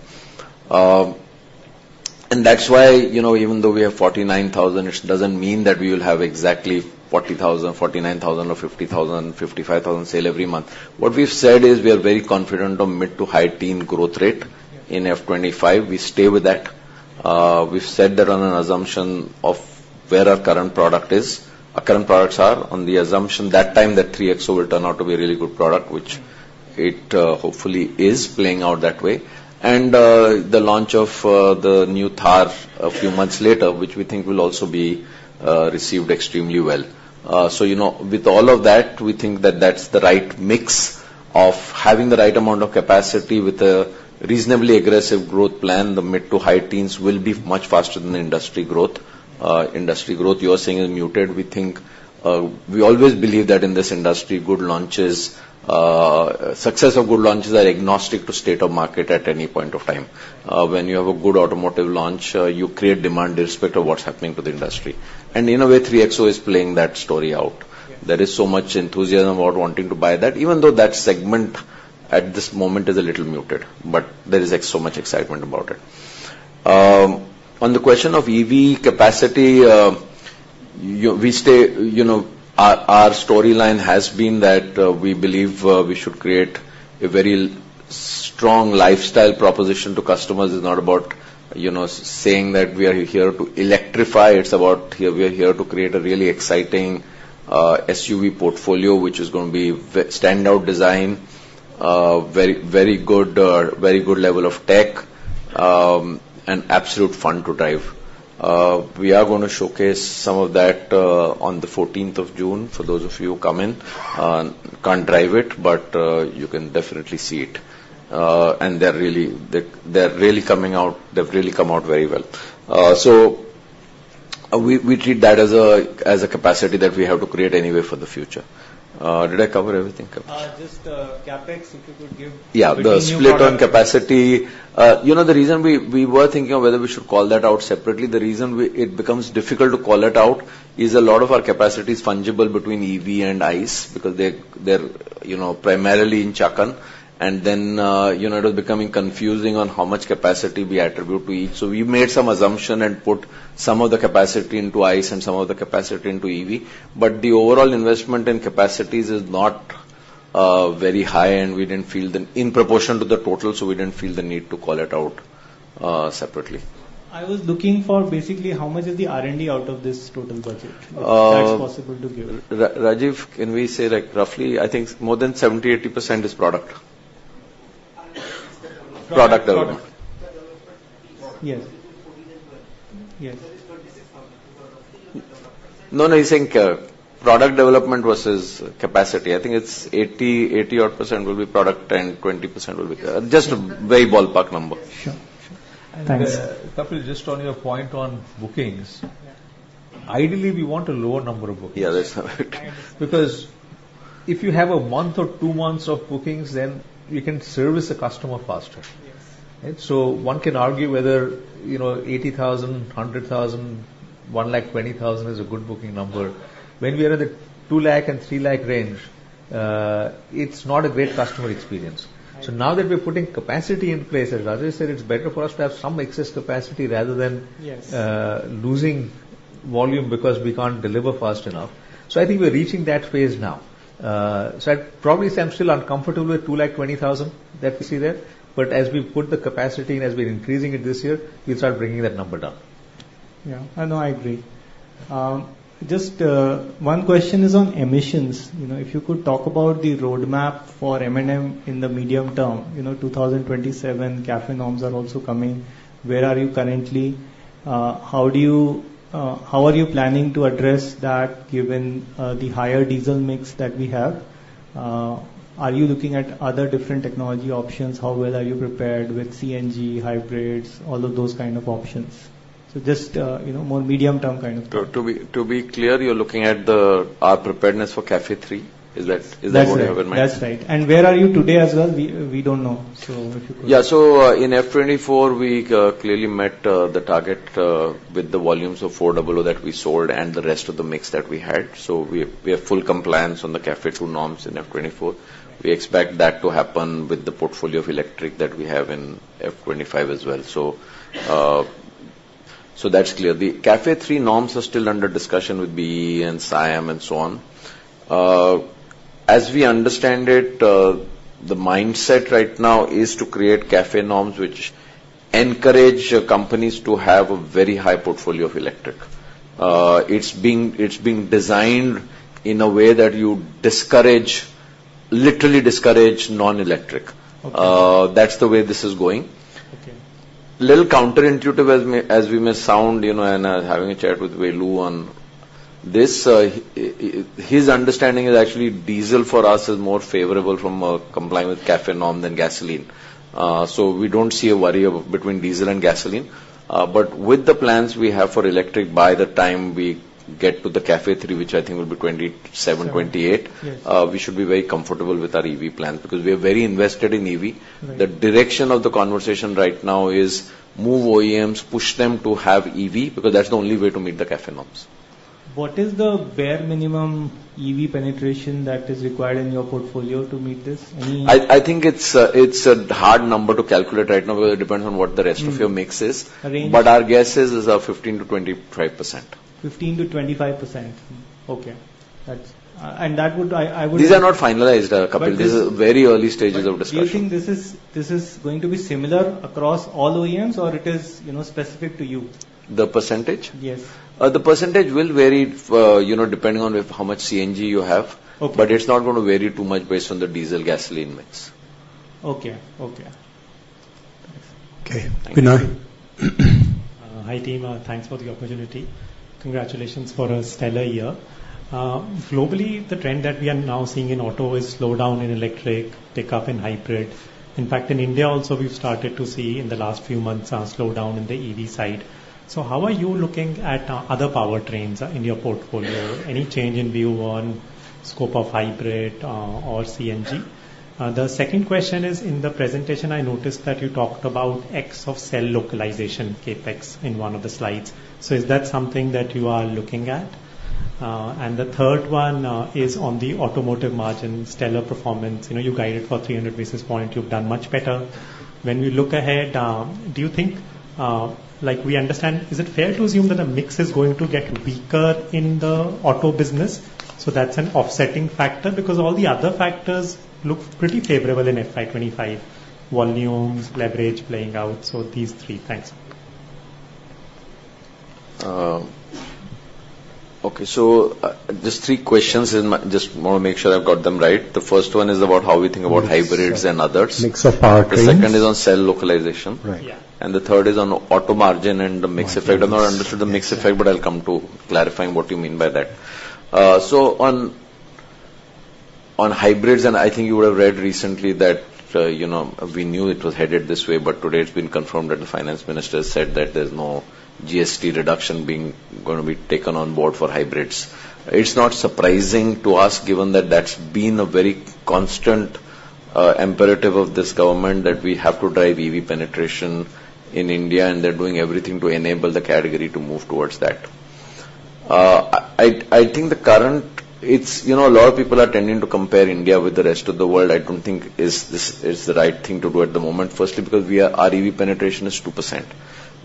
And that's why, you know, even though we have 49,000, it doesn't mean that we will have exactly 40,000, 49,000 or 50,000, 55,000 sales every month. What we've said is, we are very confident of mid- to high-teen growth rate- Yes. In FY 25. We stay with that. We've said that on an assumption of where our current product is. Our current products are, on the assumption that time, that 3XO will turn out to be a really good product, which it, hopefully is playing out that way. The launch of the new Thar a few months later, which we think will also be received extremely well. So, you know, with all of that, we think that that's the right mix of having the right amount of capacity with a reasonably aggressive growth plan. The mid-to-high teens will be much faster than the industry growth. Industry growth, you are seeing is muted. We think, we always believe that in this industry, good launches, success of good launches are agnostic to state of market at any point of time. When you have a good automotive launch, you create demand irrespective of what's happening to the industry. And in a way, 3XO is playing that story out. Yeah. There is so much enthusiasm about wanting to buy that, even though that segment, at this moment, is a little muted, but there is so much excitement about it. On the question of EV capacity, we stay, you know, our storyline has been that, we believe, we should create a very strong lifestyle proposition to customers. It's not about, you know, saying that we are here to electrify. It's about we are here to create a really exciting, SUV portfolio, which is gonna be standout design, very, very good, very good level of tech, and absolute fun to drive. We are gonna showcase some of that, on the fourteenth of June, for those of you who come in. Can't drive it, but, you can definitely see it. And they've really come out very well. So we treat that as a capacity that we have to create anyway for the future. Did I cover everything? Just, CapEx, if you could give- Yeah. The new product. The split on capacity. You know, the reason we were thinking of whether we should call that out separately, the reason it becomes difficult to call it out, is a lot of our capacity is fungible between EV and ICE, because they're you know, primarily in Chakan. And then, you know, it was becoming confusing on how much capacity we attribute to each. So we made some assumption and put some of the capacity into ICE and some of the capacity into EV. But the overall investment in capacities is not very high, and we didn't feel the need in proportion to the total, so we didn't feel the need to call it out separately. I was looking for basically, how much is the R&D out of this total budget? Uh- If that's possible to give. Rajeev, can we say, like, roughly, I think more than 70%-80% is product. Product development. Product. The development. Yes. Yes. So it's 26,000 in terms of the development. No, no, I think, product development versus capacity, I think it's 80, 80-odd% will be product and 20% will be... Just a very ballpark number. Sure. Sure. Thanks. And, Kapil, just on your point on bookings- Yeah. Ideally, we want a lower number of bookings. Yeah, that's correct. Because if you have a month or two months of bookings, then you can service the customer faster. Yes. Right? So one can argue whether, you know, 80,000, 100,000, 120,000 is a good booking number. When we are in the 200,000 and 300,000 range, it's not a great customer experience. I agree. Now that we're putting capacity in place, as Rajeev said, it's better for us to have some excess capacity rather than- Yes... losing volume because we can't deliver fast enough. So I think we're reaching that phase now. So I'd probably say I'm still uncomfortable with 220,000, that we see there, but as we put the capacity and as we're increasing it this year, we'll start bringing that number down. Yeah, I know, I agree. Just one question is on emissions. You know, if you could talk about the roadmap for M&M in the medium term, you know, 2027, CAFE norms are also coming. Where are you currently? How are you planning to address that, given the higher diesel mix that we have? Are you looking at other different technology options? How well are you prepared with CNG, hybrids, all of those kind of options? So just, you know, more medium-term kind of thing. To be clear, you're looking at our preparedness for CAFE 3? Is that what you have in mind? That's right. That's right. And where are you today as well? We don't know. So if you could- Yeah. So, in FY 2024, we clearly met the target with the volumes of 400 that we sold and the rest of the mix that we had. So we have full compliance on the CAFE 2 norms in FY 2024. We expect that to happen with the portfolio of electric that we have in FY 2025 as well. So, that's clear. The CAFE 3 norms are still under discussion with BEE and SIAM, and so on. As we understand it, the mindset right now is to create CAFE norms, which encourage companies to have a very high portfolio of electric. It's being designed in a way that you discourage, literally discourage non-electric. Okay. That's the way this is going. Little counterintuitive as may, as we may sound, you know, and I was having a chat with Velu on this. He, his understanding is actually diesel for us is more favorable from complying with CAFE norm than gasoline. So we don't see a worry of between diesel and gasoline. But with the plans we have for electric, by the time we get to the CAFE three, which I think will be 2027, 2028- Seven, yes. We should be very comfortable with our EV plans, because we are very invested in EV. Right. The direction of the conversation right now is move OEMs, push them to have EV, because that's the only way to meet the CAFE norms. What is the bare minimum EV penetration that is required in your portfolio to meet this? Any- I think it's a hard number to calculate right now, because it depends on what the rest- Mm of your mix is. Range? Our guess is 15%-25%. 15%-25%. Okay. That's... And that would, I would- These are not finalized, Kapil. But this- These are very early stages of discussion. Do you think this is, this is going to be similar across all OEMs, or it is, you know, specific to you? The percentage? Yes. The percentage will vary, you know, depending on if how much CNG you have. Okay. But it's not going to vary too much based on the diesel gasoline mix. Okay. Okay. Thanks. Okay, Vinay? Hi, team, thanks for the opportunity. Congratulations for a stellar year. Globally, the trend that we are now seeing in auto is slowdown in electric, pickup in hybrid. In fact, in India also, we've started to see in the last few months, a slowdown in the EV side. So how are you looking at other powertrains in your portfolio? Any change in view on scope of hybrid or CNG? The second question is, in the presentation, I noticed that you talked about 80% cell localization CapEx in one of the slides. So is that something that you are looking at? And the third one is on the automotive margin, stellar performance. You know, you guided for 300 basis points, you've done much better. When we look ahead, do you think... Like, we understand, is it fair to assume that the mix is going to get weaker in the auto business, so that's an offsetting factor? Because all the other factors look pretty favorable in FY 25: volumes, leverage playing out. So these three. Thanks. Okay. So, just three questions. Just want to make sure I've got them right. The first one is about how we think about hybrids and others. Mix of powertrains. The second is on cell localization. Right. Yeah. The third is on auto margin and the mix effect. Margins. I've not understood the mix effect, but I'll come to clarifying what you mean by that. So on hybrids, and I think you would have read recently that, you know, we knew it was headed this way, but today it's been confirmed that the finance minister said that there's no GST reduction going to be taken on board for hybrids. It's not surprising to us, given that that's been a very constant imperative of this government, that we have to drive EV penetration in India, and they're doing everything to enable the category to move towards that. I think the current, it's... You know, a lot of people are tending to compare India with the rest of the world. I don't think this is the right thing to do at the moment. Firstly, because our EV penetration is 2%.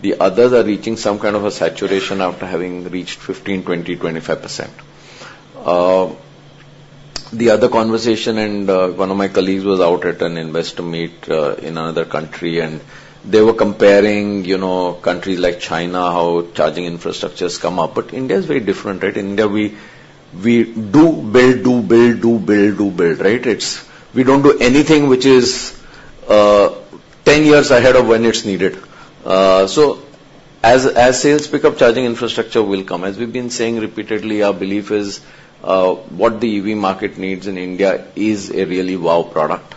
The others are reaching some kind of a saturation after having reached 15, 20, 25%. The other conversation, and one of my colleagues was out at an investor meet in another country, and they were comparing, you know, countries like China, how charging infrastructure has come up. But India is very different, right? India, we do build, right? It's. We don't do anything which is 10 years ahead of when it's needed. So as sales pick up, charging infrastructure will come. As we've been saying repeatedly, our belief is what the EV market needs in India is a really wow product.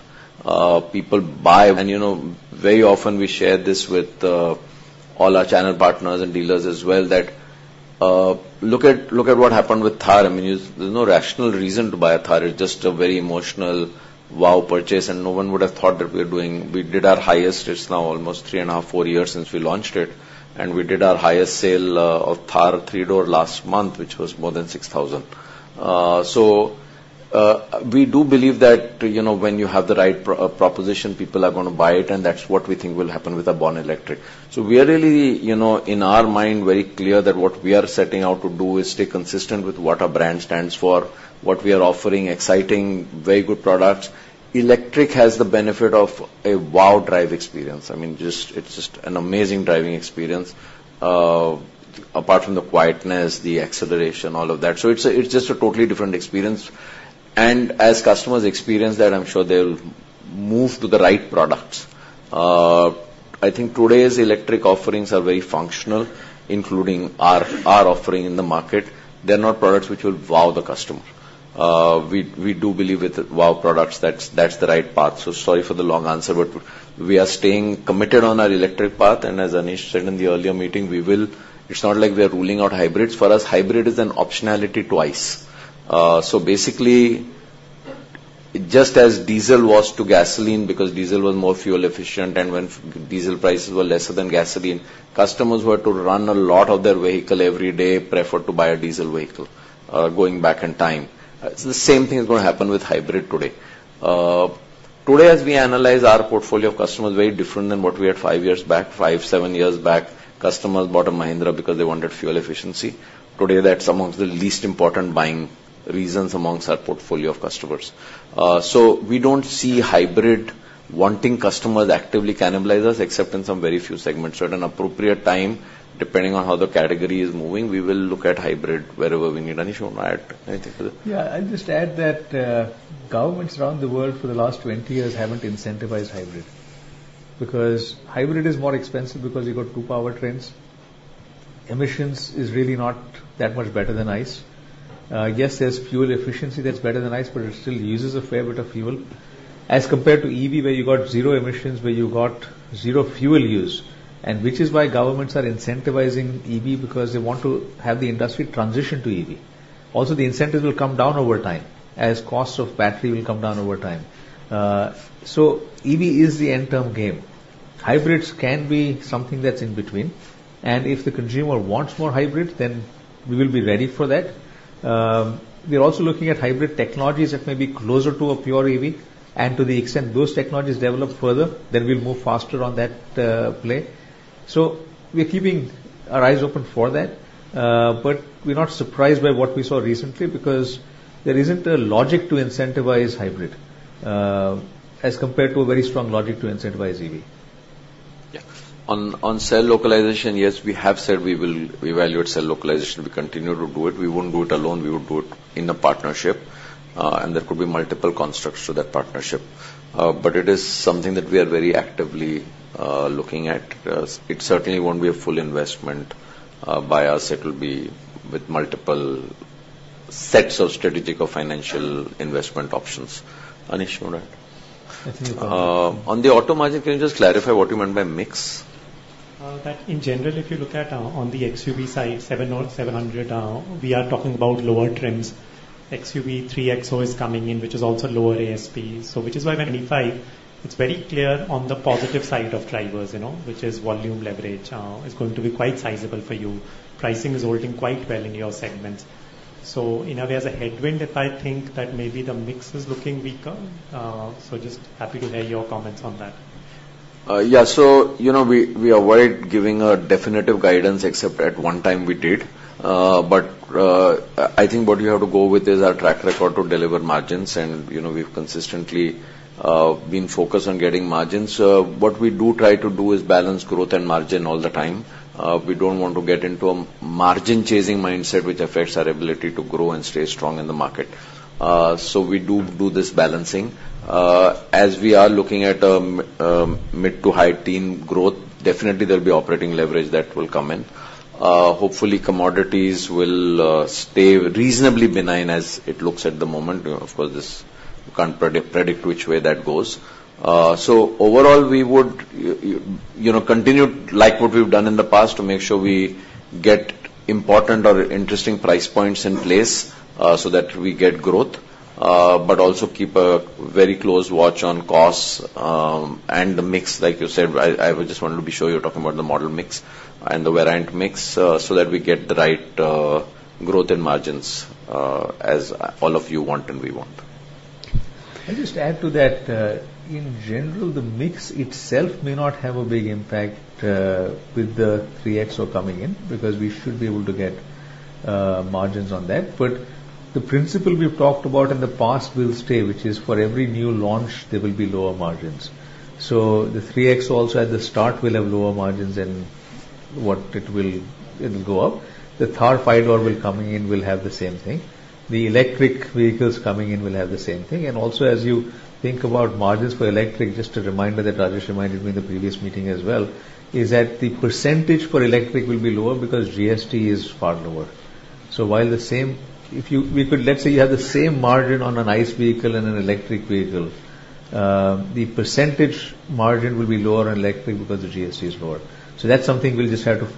People buy. And you know, very often we share this with all our channel partners and dealers as well, that look at what happened with Thar. I mean, there's no rational reason to buy a Thar. It's just a very emotional wow purchase, and no one would have thought that we're doing. We did our highest, it's now almost 3.5-4 years since we launched it, and we did our highest sale of Thar three-door last month, which was more than 6,000. So, we do believe that, you know, when you have the right proposition, people are gonna buy it, and that's what we think will happen with our Born Electric. So we are really, you know, in our mind, very clear that what we are setting out to do is stay consistent with what our brand stands for, what we are offering, exciting, very good products. Electric has the benefit of a wow drive experience. I mean, just, it's just an amazing driving experience. Apart from the quietness, the acceleration, all of that. So it's a, it's just a totally different experience. And as customers experience that, I'm sure they'll move to the right products. I think today's electric offerings are very functional, including our, our offering in the market. They're not products which will wow the customer. We, we do believe with wow products, that's, that's the right path. So sorry for the long answer, but we are staying committed on our electric path, and as Anish said in the earlier meeting, we will. It's not like we are ruling out hybrids. For us, hybrid is an optionality twice. So basically, just as diesel was to gasoline, because diesel was more fuel efficient, and when diesel prices were lesser than gasoline, customers who were to run a lot of their vehicle every day, preferred to buy a diesel vehicle, going back in time. The same thing is going to happen with hybrid today. Today, as we analyze our portfolio of customers, very different than what we had five years back. five, seven years back, customers bought a Mahindra because they wanted fuel efficiency. Today, that's amongst the least important buying reasons amongst our portfolio of customers. So we don't see hybrid-wanting customers actively cannibalize us, except in some very few segments. So at an appropriate time, depending on how the category is moving, we will look at hybrid wherever we need. Anish, you want to add anything to that? Yeah, I'll just add that, governments around the world for the last 20 years haven't incentivized hybrid, because hybrid is more expensive because you've got two powertrains.... emissions is really not that much better than ICE. Yes, there's fuel efficiency that's better than ICE, but it still uses a fair bit of fuel. As compared to EV, where you got zero emissions, where you got zero fuel use, and which is why governments are incentivizing EV, because they want to have the industry transition to EV. Also, the incentives will come down over time, as costs of battery will come down over time. So EV is the endgame. Hybrids can be something that's in between, and if the consumer wants more hybrid, then we will be ready for that. We are also looking at hybrid technologies that may be closer to a pure EV, and to the extent those technologies develop further, then we'll move faster on that play. We are keeping our eyes open for that, but we're not surprised by what we saw recently, because there isn't a logic to incentivize hybrid, as compared to a very strong logic to incentivize EV. Yes. On cell localization, yes, we have said we will evaluate cell localization. We continue to do it. We won't do it alone, we will do it in a partnership, and there could be multiple constructs to that partnership. But it is something that we are very actively looking at. It certainly won't be a full investment by us. It will be with multiple sets of strategic or financial investment options. Anish, you all right? I think- On the auto margin, can you just clarify what you meant by mix? That in general, if you look at, on the XUV side, 700, we are talking about lower trends. XUV 3XO is coming in, which is also lower ASP. So which is why when 85, it's very clear on the positive side of drivers, you know, which is volume leverage, is going to be quite sizable for you. Pricing is holding quite well in your segment. So, you know, there's a headwind, if I think that maybe the mix is looking weaker. So just happy to hear your comments on that. Yeah. So, you know, we avoid giving a definitive guidance, except at one- time we did. But, I think what we have to go with is our track record to deliver margins, and, you know, we've consistently been focused on getting margins. What we do try to do is balance growth and margin all the time. We don't want to get into a margin-chasing mindset, which affects our ability to grow and stay strong in the market. So we do do this balancing. As we are looking at mid-to-high teen growth, definitely there'll be operating leverage that will come in. Hopefully, commodities will stay reasonably benign as it looks at the moment. Of course, this you can't predict which way that goes. So overall, we would, you know, continue, like what we've done in the past, to make sure we get important or interesting price points in place, so that we get growth, but also keep a very close watch on costs, and the mix, like you said. I just wanted to be sure you're talking about the model mix and the variant mix, so that we get the right growth in margins, as all of you want and we want. Can I just add to that? In general, the mix itself may not have a big impact, with the 3XO coming in, because we should be able to get, margins on that. But the principle we've talked about in the past will stay, which is for every new launch, there will be lower margins. So the 3XO also at the start will have lower margins than what it will... It'll go up. The Thar five door will coming in, will have the same thing. The electric vehicles coming in will have the same thing. And also, as you think about margins for electric, just a reminder that Rajesh reminded me in the previous meeting as well, is that the percentage for electric will be lower because GST is far lower. So while the same, let's say you have the same margin on an ICE vehicle and an electric vehicle, the percentage margin will be lower on electric because the GST is lower. So that's something we'll just have to,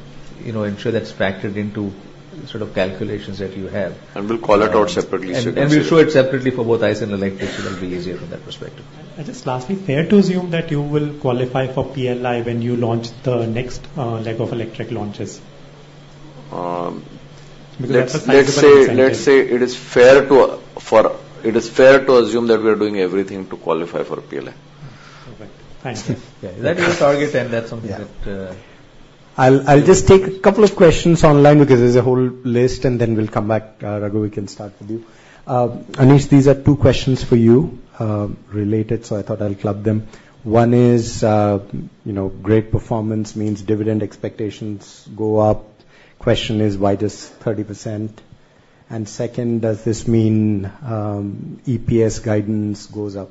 you know, ensure that's factored into the sort of calculations that you have. We'll call it out separately, so that's it. We show it separately for both ICE and electric, so that'll be easier from that perspective. Just lastly, fair to assume that you will qualify for PLI when you launch the next leg of electric launches? Let's, let's say- Because that's the- Let's say it is fair to assume that we are doing everything to qualify for PLI. Okay, thank you. Yeah, that is the target, and that's something that, I'll, I'll just take a couple of questions online, because there's a whole list, and then we'll come back. Raghu, we can start with you. Anish, these are two questions for you, related, so I thought I'll club them. One is, you know, great performance means dividend expectations go up. Question is, why just 30%? And second, does this mean EPS guidance goes up?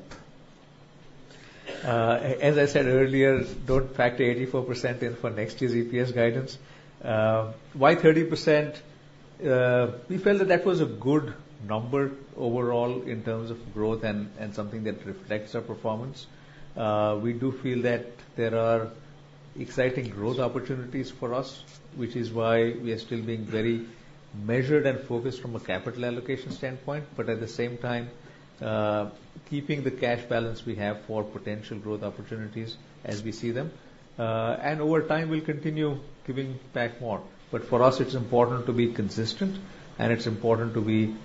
As I said earlier, don't factor 84% in for next year's EPS guidance. Why 30%? We felt that that was a good number overall in terms of growth and, and something that reflects our performance. We do feel that there are exciting growth opportunities for us, which is why we are still being very measured and focused from a capital allocation standpoint, but at the same time, keeping the cash balance we have for potential growth opportunities as we see them. Over time, we'll continue giving back more. But for us, it's important to be consistent, and it's important to be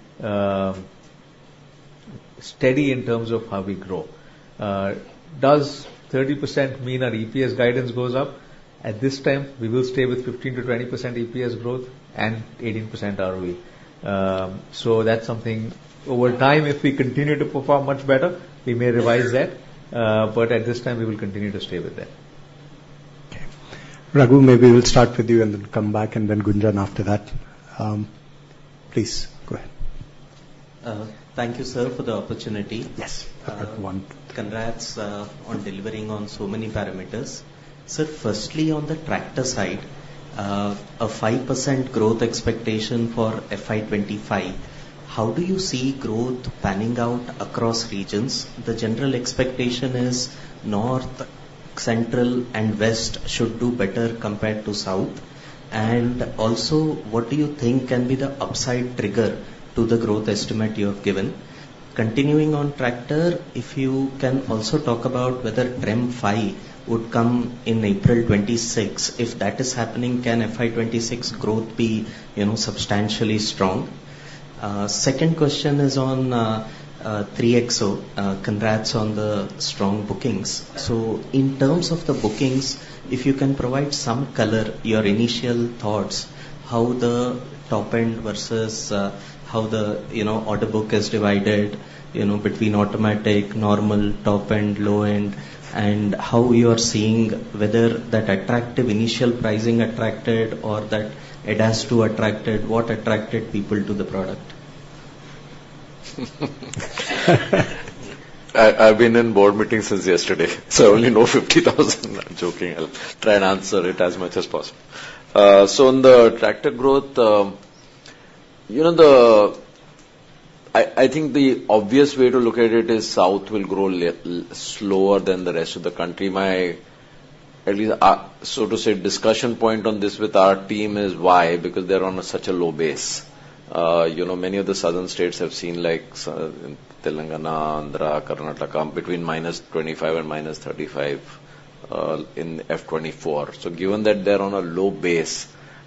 steady in terms of how we grow. Does 30% mean our EPS guidance goes up? At this time, we will stay with 15%-20% EPS growth and 18% ROE. So that's something... Over time, if we continue to perform much better, we may revise that, but at this time, we will continue to stay with that. Okay. Raghu, maybe we'll start with you, and then come back, and then Gunjan after that. Please go ahead.... Thank you, sir, for the opportunity. Yes, one. Congrats on delivering on so many parameters. Sir, firstly, on the tractor side, a 5% growth expectation for FY 25, how do you see growth panning out across regions? The general expectation is North, Central, and West should do better compared to South. And also, what do you think can be the upside trigger to the growth estimate you have given? Continuing on tractor, if you can also talk about whether TREM V would come in April 2026? If that is happening, can FY 26 growth be, you know, substantially strong? Second question is on XUV 3XO. Congrats on the strong bookings. So in terms of the bookings, if you can provide some color, your initial thoughts, how the top end versus, you know, order book is divided, you know, between automatic, normal, top end, low end, and how you are seeing whether that attractive initial pricing attracted or that it has to attracted. What attracted people to the product? I've been in board meetings since yesterday, so I only know 50,000. Joking. I'll try and answer it as much as possible. So on the tractor growth, you know, I think the obvious way to look at it is South will grow slower than the rest of the country. My, at least, so to say, discussion point on this with our team is why? Because they're on such a low base. You know, many of the southern states have seen, like, Telangana, Andhra, Karnataka, between -25 and -35, in FY 2024. So given that they're on a low base,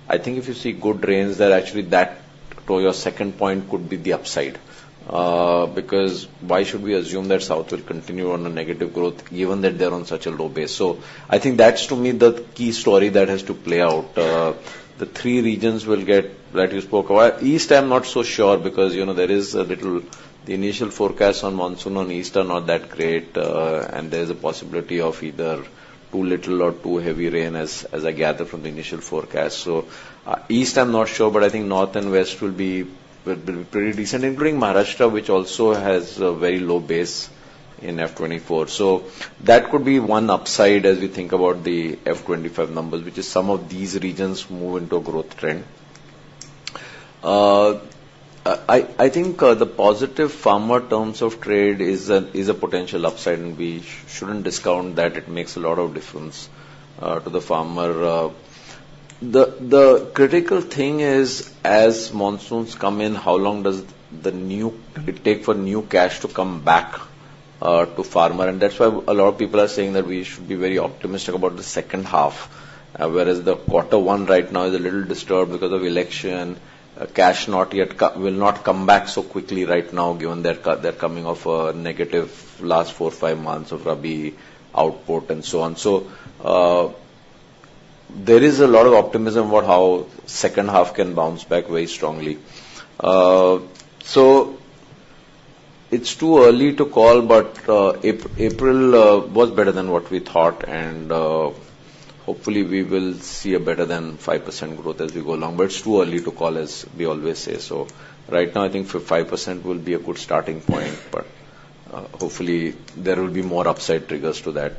I think if you see good rains, then actually that, to your second point, could be the upside. Because why should we assume that South will continue on a negative growth given that they're on such a low base? So I think that's, to me, the key story that has to play out. The three regions will get, that you spoke about. East, I'm not so sure, because, you know, there is a little, the initial forecast on monsoon on East are not that great, and there's a possibility of either too little or too heavy rain, as, as I gather from the initial forecast. So, East, I'm not sure, but I think North and West will be pretty decent, including Maharashtra, which also has a very low base in FY 2024. So that could be one upside as we think about the FY 2025 numbers, which is some of these regions move into a growth trend. I think the positive farmer terms of trade is a potential upside, and we shouldn't discount that it makes a lot of difference to the farmer. The critical thing is, as monsoons come in, how long does it take for new cash to come back to farmer? And that's why a lot of people are saying that we should be very optimistic about the second half, whereas the quarter one right now is a little disturbed because of election. Cash will not come back so quickly right now, given they're coming off a negative last four, five months of Rabi output and so on. So, there is a lot of optimism about how second half can bounce back very strongly. So it's too early to call, but April was better than what we thought, and hopefully, we will see a better than 5% growth as we go along. But it's too early to call, as we always say so. Right now, I think 5% will be a good starting point, but hopefully, there will be more upside triggers to that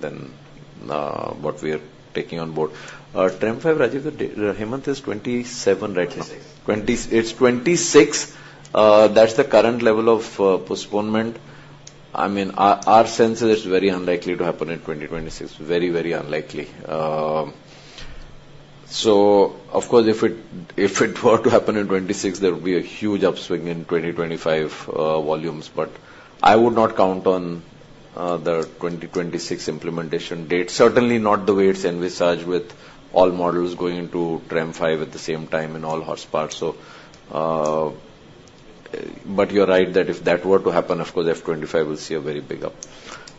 than what we are taking on board. TREM V, Rajeev, Hemant, is 27, right? Twenty-six. Twenty... It's 26? That's the current level of postponement. I mean, our sense is it's very unlikely to happen in 2026. Very, very unlikely. So of course, if it were to happen in 26, there would be a huge upswing in 2025 volumes, but I would not count on the 2026 implementation date. Certainly, not the way it's envisaged, with all models going into TREM V at the same time in all horsepowers, so... But you're right, that if that were to happen, of course, FY25 will see a very big up.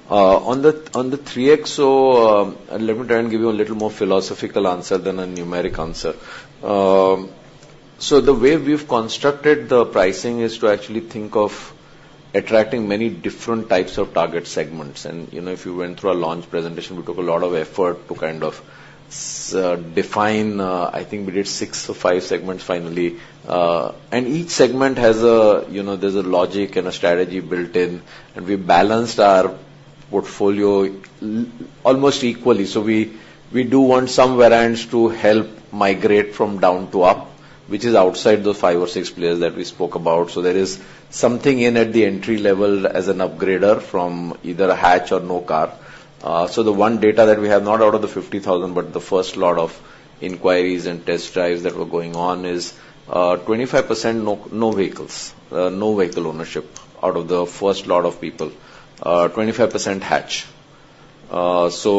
On the XUV 3XO, let me try and give you a little more philosophical answer than a numeric answer. So the way we've constructed the pricing is to actually think of attracting many different types of target segments. You know, if you went through our launch presentation, we took a lot of effort to kind of define. I think we did six or five segments finally. And each segment has a, you know, there's a logic and a strategy built in, and we balanced our portfolio almost equally. So we, we do want some variants to help migrate from down to up, which is outside the five or six players that we spoke about. So there is something in at the entry level as an upgrader from either a hatch or no car. So the one data that we have, not out of the 50,000, but the first lot of inquiries and test drives that were going on is, 25% no, no vehicles, no vehicle ownership out of the first lot of people. 25% hatch. So,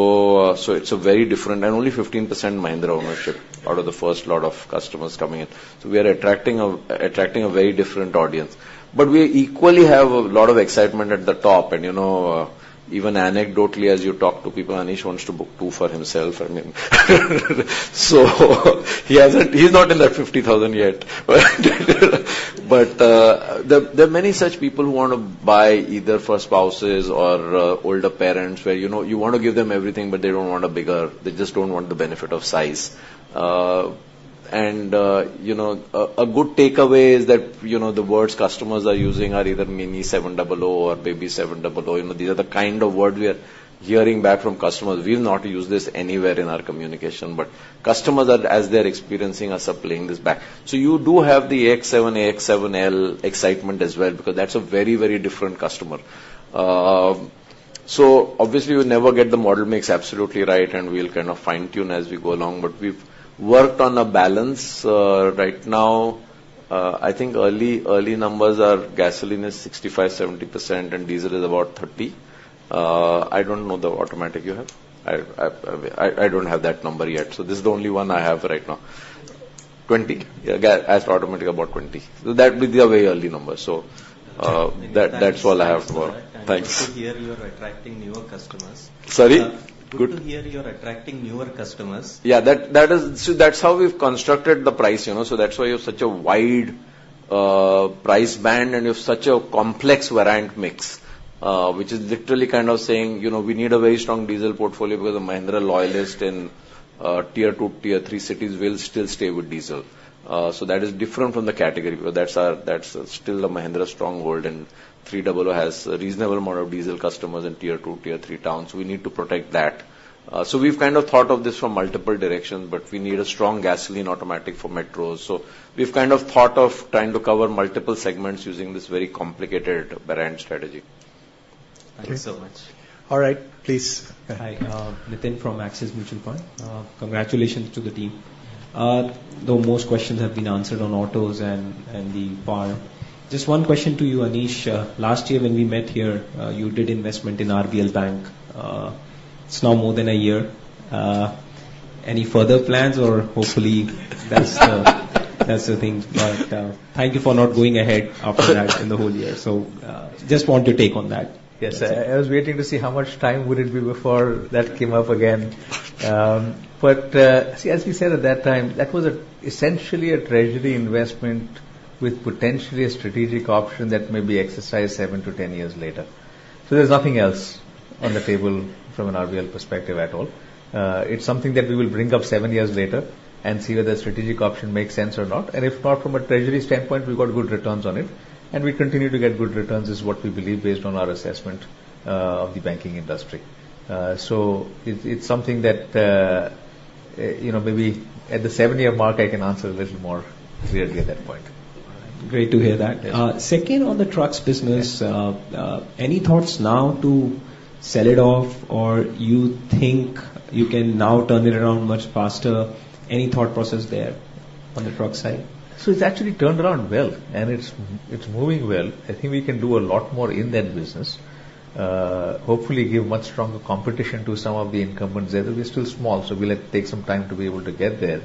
so it's a very different... And only 15% Mahindra ownership out of the first lot of customers coming in. So we are attracting a, attracting a very different audience. But we equally have a lot of excitement at the top. And, you know, even anecdotally, as you talk to people, Anish wants to book two for himself, I mean. So he hasn't—he's not in that 50,000 yet. But, there, there are many such people who want to buy either for spouses or, older parents, where, you know, you want to give them everything, but they don't want a bigger, they just don't want the benefit of size. And, you know, a, a good takeaway is that, you know, the words customers are using are either Mini 700 or Baby 700. You know, these are the kind of words we are hearing back from customers. We've not used this anywhere in our communication, but customers are, as they're experiencing us, are playing this back. So you do have the AX7, AX7L excitement as well, because that's a very, very different customer. So obviously, we'll never get the model mix absolutely right, and we'll kind of fine-tune as we go along, but we've worked on a balance. Right now, I think early numbers are gasoline is 65-70%, and diesel is about 30%. I don't know the automatic you have. I don't have that number yet, so this is the only one I have right now. 20? Yeah, gas automatic, about 20. So that'd be a very early number. So, that, that's all I have for... Thanks. Good to hear you are attracting newer customers. Sorry? Good- Good to hear you're attracting newer customers. Yeah, that is. So that's how we've constructed the pricing, you know, so that's why you have such a wide price band and you have such a complex variant mix, which is literally kind of saying, you know, we need a very strong diesel portfolio because the Mahindra loyalist in Tier Two, Tier Three cities will still stay with diesel. So that is different from the category, but that's our, that's still a Mahindra stronghold, and three double O has a reasonable amount of diesel customers in Tier Two, Tier Three towns. We need to protect that. So we've kind of thought of this from multiple directions, but we need a strong gasoline automatic for metros. So we've kind of thought of trying to cover multiple segments using this very complicated brand strategy. Thank you so much. All right. Please. Hi, Nitin from Axis Mutual Fund. Congratulations to the team. Though most questions have been answered on autos and, and the power, just one question to you, Anish. Last year, when we met here, you did investment in RBL Bank. It's now more than a year. Any further plans, or hopefully, that's the, that's the thing. But, thank you for not going ahead after that in the whole year. So, just want your take on that. Yes, I was waiting to see how much time would it be before that came up again. But see, as we said at that time, that was essentially a treasury investment with potentially a strategic option that may be exercised 7-10 years later. So there's nothing else on the table from an RBL perspective at all. It's something that we will bring up seven years later and see whether the strategic option makes sense or not. And if not, from a treasury standpoint, we've got good returns on it, and we continue to get good returns, is what we believe, based on our assessment of the banking industry. So it's something that, you know, maybe at the 7-year mark, I can answer a little more clearly at that point. Great to hear that. Yes. Second, on the trucks business- Yes. Any thoughts now to sell it off, or you think you can now turn it around much faster? Any thought process there on the truck side? So it's actually turned around well, and it's moving well. I think we can do a lot more in that business. Hopefully, give much stronger competition to some of the incumbents there. But we're still small, so we'll take some time to be able to get there.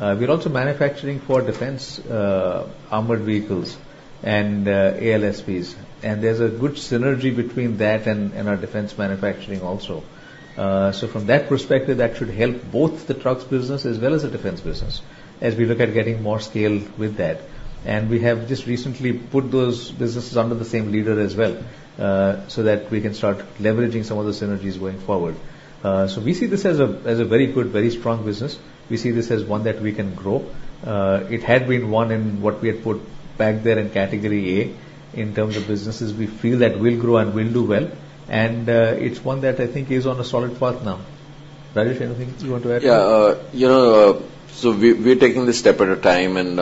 We're also manufacturing for defense, armored vehicles and, ALSVs, and there's a good synergy between that and our defense manufacturing also. So from that perspective, that should help both the trucks business as well as the defense business as we look at getting more scale with that. And we have just recently put those businesses under the same leader as well, so that we can start leveraging some of the synergies going forward. So we see this as a very good, very strong business. We see this as one that we can grow. It had been one in what we had put back there in category A in terms of businesses we feel that will grow and will do well, and, it's one that I think is on a solid path now. Rajesh, anything you want to add? Yeah, you know, so we, we're taking this step at a time and,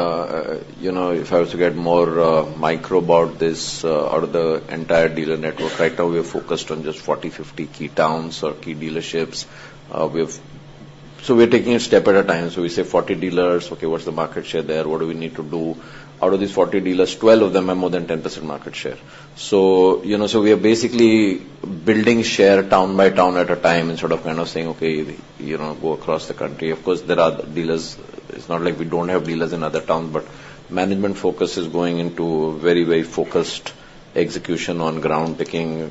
you know, if I was to get more micro about this, out of the entire dealer network, right now, we are focused on just 40, 50 key towns or key dealerships. So we're taking it step at a time. So we say 40 dealers, okay, what's the market share there? What do we need to do? Out of these 40 dealers, 12 of them are more than 10% market share. So, you know, so we are basically building share town by town at a time and sort of kind of saying, "Okay, you know, go across the country." Of course, there are dealers. It's not like we don't have dealers in other towns, but management focus is going into a very, very focused execution on ground, picking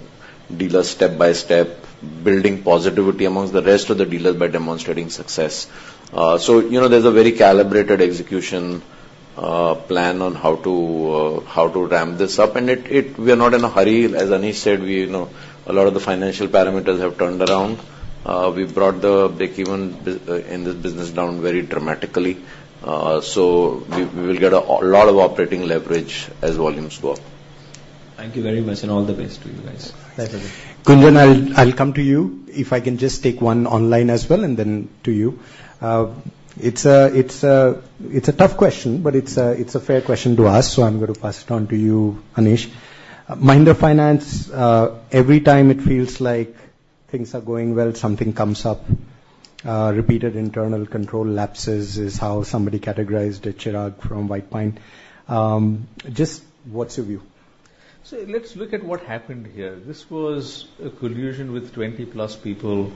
dealers step by step, building positivity among the rest of the dealers by demonstrating success. So, you know, there's a very calibrated execution plan on how to ramp this up, and we are not in a hurry. As Anish said, you know, a lot of the financial parameters have turned around. We've brought the break-even business in this business down very dramatically, so we will get a lot of operating leverage as volumes go up. Thank you very much, and all the best to you guys. Thank you. Kunjan, I'll come to you. If I can just take one online as well, and then to you. It's a tough question, but it's a fair question to ask, so I'm going to pass it on to you, Anish. Mahindra Finance, every time it feels like things are going well, something comes up. Repeated internal control lapses is how somebody categorized it, Chirag from White Pine. Just what's your view? So let's look at what happened here. This was a collusion with 20+ people,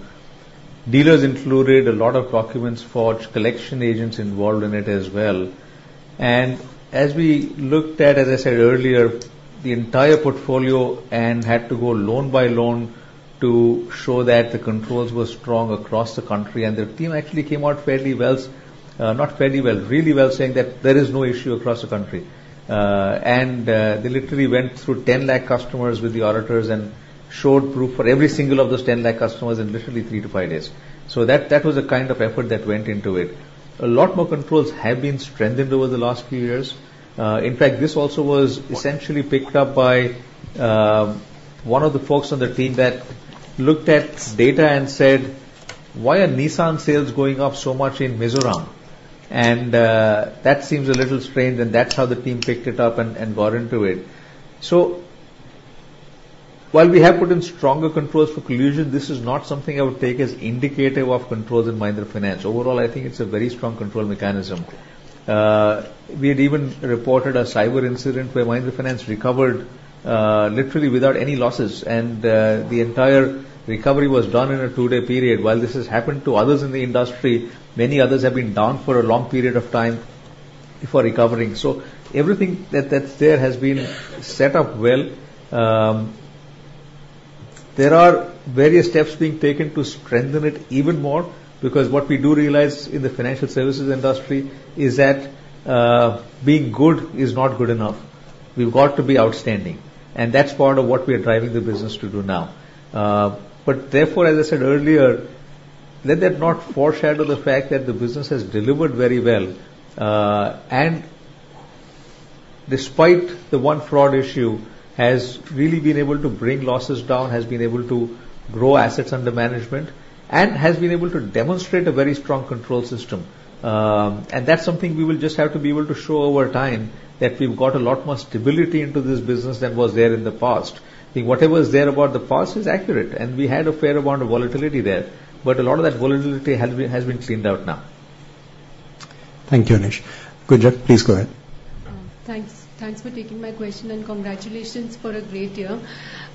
dealers included, a lot of documents forged, collection agents involved in it as well. And as we looked at, as I said earlier, the entire portfolio and had to go loan by loan to show that the controls were strong across the country, and the team actually came out fairly well. Not fairly well, really well, saying that there is no issue across the country. And they literally went through 10 lakh customers with the auditors and showed proof for every single of those 10 lakh customers in literally 3-5 days. So that, that was the kind of effort that went into it. A lot more controls have been strengthened over the last few years. In fact, this also was essentially picked up by one of the folks on the team that looked at data and said, "Why are Nissan sales going up so much in Mizoram? And that seems a little strange," and that's how the team picked it up and got into it. So while we have put in stronger controls for collusion, this is not something I would take as indicative of controls in Mahindra Finance. Overall, I think it's a very strong control mechanism. We had even reported a cyber incident where Mahindra Finance recovered literally without any losses, and the entire recovery was done in a two-day period. While this has happened to others in the industry, many others have been down for a long period of time before recovering. So everything that's there has been set up well. There are various steps being taken to strengthen it even more, because what we do realize in the financial services industry is that, being good is not good enough. We've got to be outstanding, and that's part of what we are driving the business to do now. But therefore, as I said earlier, let that not foreshadow the fact that the business has delivered very well, and despite the one fraud issue, has really been able to bring losses down, has been able to grow assets under management, and has been able to demonstrate a very strong control system. And that's something we will just have to be able to show over time, that we've got a lot more stability into this business than was there in the past. I think whatever is there about the past is accurate, and we had a fair amount of volatility there, but a lot of that volatility has been, has been cleaned out now. Thank you, Anish. Gunjan, please go ahead. Thanks. Thanks for taking my question, and congratulations for a great year.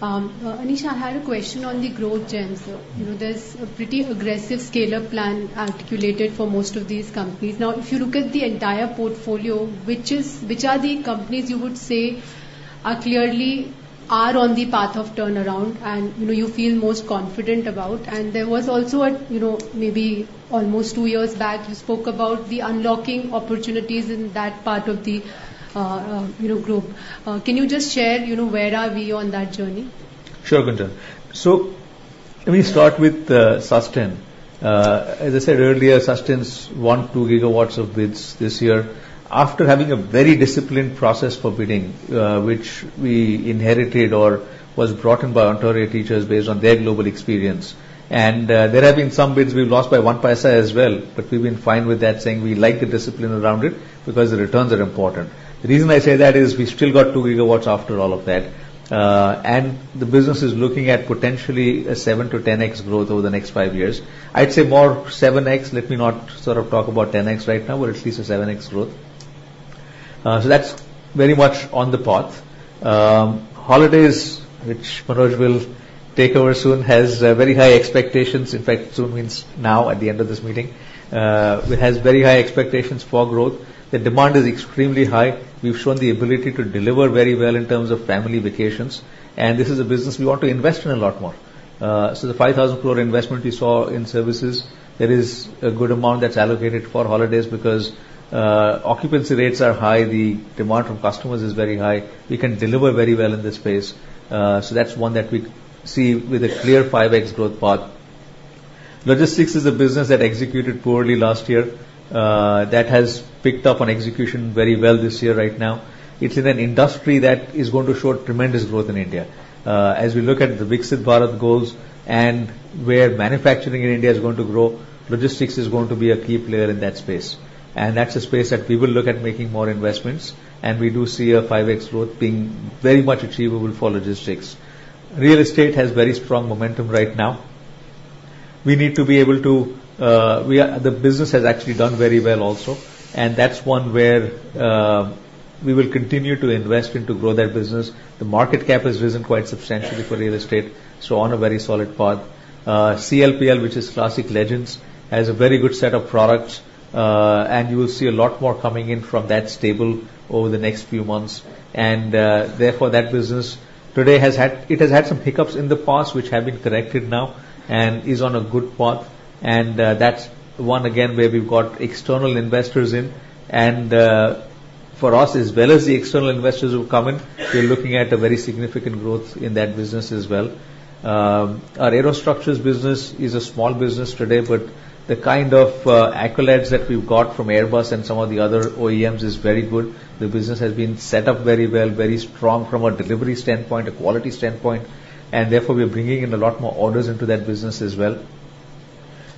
Anish, I had a question on the Growth Gems. There's a pretty aggressive scale-up plan articulated for most of these companies. Now, if you look at the entire portfolio, which are the companies you would say are clearly on the path of turnaround, and, you know, you feel most confident about? And there was also a, you know, maybe almost two years back, you spoke about the unlocking opportunities in that part of the, you know, group. Can you just share, you know, where are we on that journey? Sure, Gunjan. So let me start with Susten. As I said earlier, Susten's won 2 GW of bids this year. After having a very disciplined process for bidding, which we inherited or was brought in by Ontario Teachers based on their global experience. There have been some bids we've lost by 1 paisa as well, but we've been fine with that, saying we like the discipline around it, because the returns are important. The reason I say that is we've still got 2 GW after all of that, and the business is looking at potentially a 7-10x growth over the next five years. I'd say more 7x. Let me not sort of talk about 10x right now, but at least a 7x growth. So that's very much on the path. Holidays, which Manoj will take over soon, has very high expectations. In fact, soon means now, at the end of this meeting. It has very high expectations for growth. The demand is extremely high. We've shown the ability to deliver very well in terms of family vacations, and this is a business we want to invest in a lot more. So the 5,000 crore investment we saw in services, there is a good amount that's allocated for holidays because occupancy rates are high, the demand from customers is very high. We can deliver very well in this space. So that's one that we see with a clear 5x growth path. Logistics is a business that executed poorly last year. That has picked up on execution very well this year right now. It's in an industry that is going to show tremendous growth in India. As we look at the Viksit Bharat goals and where manufacturing in India is going to grow, logistics is going to be a key player in that space, and that's a space that we will look at making more investments, and we do see a 5x growth being very much achievable for logistics. Real Estate has very strong momentum right now. We need to be able to. The business has actually done very well also, and that's one where we will continue to invest in to grow that business. The market cap has risen quite substantially for Real Estate, so on a very solid path. CLPL, which is Classic Legends, has a very good set of products, and you will see a lot more coming in from that stable over the next few months. And therefore, that business today has had... It has had some hiccups in the past, which have been corrected now and is on a good path. And that's one again, where we've got external investors in. And for us, as well as the external investors who have come in, we're looking at a very significant growth in that business as well. Our Aerostructures business is a small business today, but the kind of accolades that we've got from Airbus and some of the other OEMs is very good. The business has been set up very well, very strong from a delivery standpoint, a quality standpoint, and therefore, we are bringing in a lot more orders into that business as well.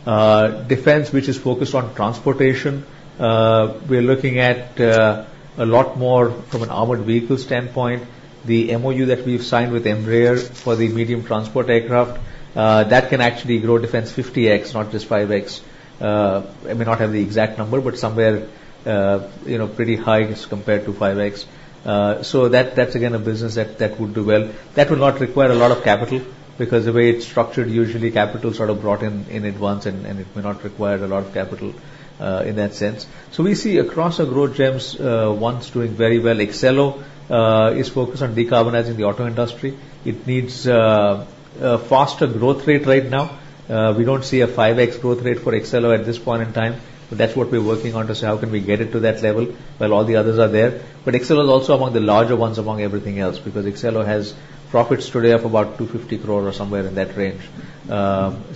Defense, which is focused on transportation, we are looking at a lot more from an armored vehicle standpoint. The MOU that we've signed with Embraer for the medium transport aircraft, that can actually grow Defense 50x, not just 5x. I may not have the exact number, but somewhere, you know, pretty high as compared to 5x. So that, that's again, a business that would do well. That would not require a lot of capital, because the way it's structured, usually capital is sort of brought in in advance, and it may not require a lot of capital in that sense. So we see across our Growth Gems, one's doing very well. Accelo is focused on decarbonizing the auto industry. It needs a faster growth rate right now. We don't see a five x growth rate for Accelo at this point in time, but that's what we're working on, to say: How can we get it to that level while all the others are there? But Accelo is also among the larger ones among everything else, because Accelo has profits today of about 250 crore or somewhere in that range.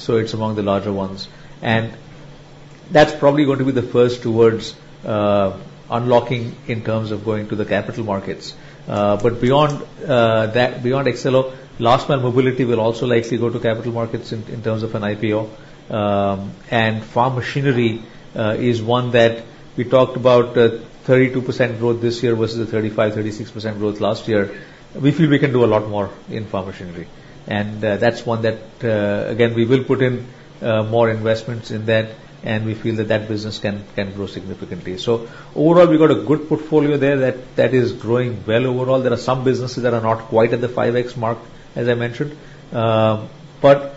So it's among the larger ones. And- ...That's probably going to be the first towards unlocking in terms of going to the capital markets. But beyond that, beyond Accelo, Last Mile Mobility will also likely go to capital markets in terms of an IPO. And Farm Machinery is one that we talked about, 32% growth this year versus the 35%-36% growth last year. We feel we can do a lot more in Farm Machinery, and that's one that again we will put in more investments in that, and we feel that that business can grow significantly. So overall, we've got a good portfolio there that is growing well overall. There are some businesses that are not quite at the 5X mark, as I mentioned, but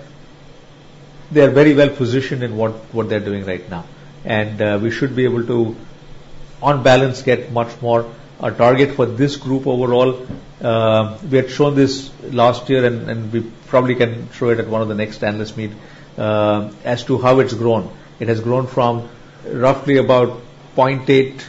they are very well positioned in what, what they're doing right now, and, we should be able to, on balance, get much more. Our target for this group overall, we had shown this last year, and, and we probably can show it at one of the next analyst meet, as to how it's grown. It has grown from roughly about $0.8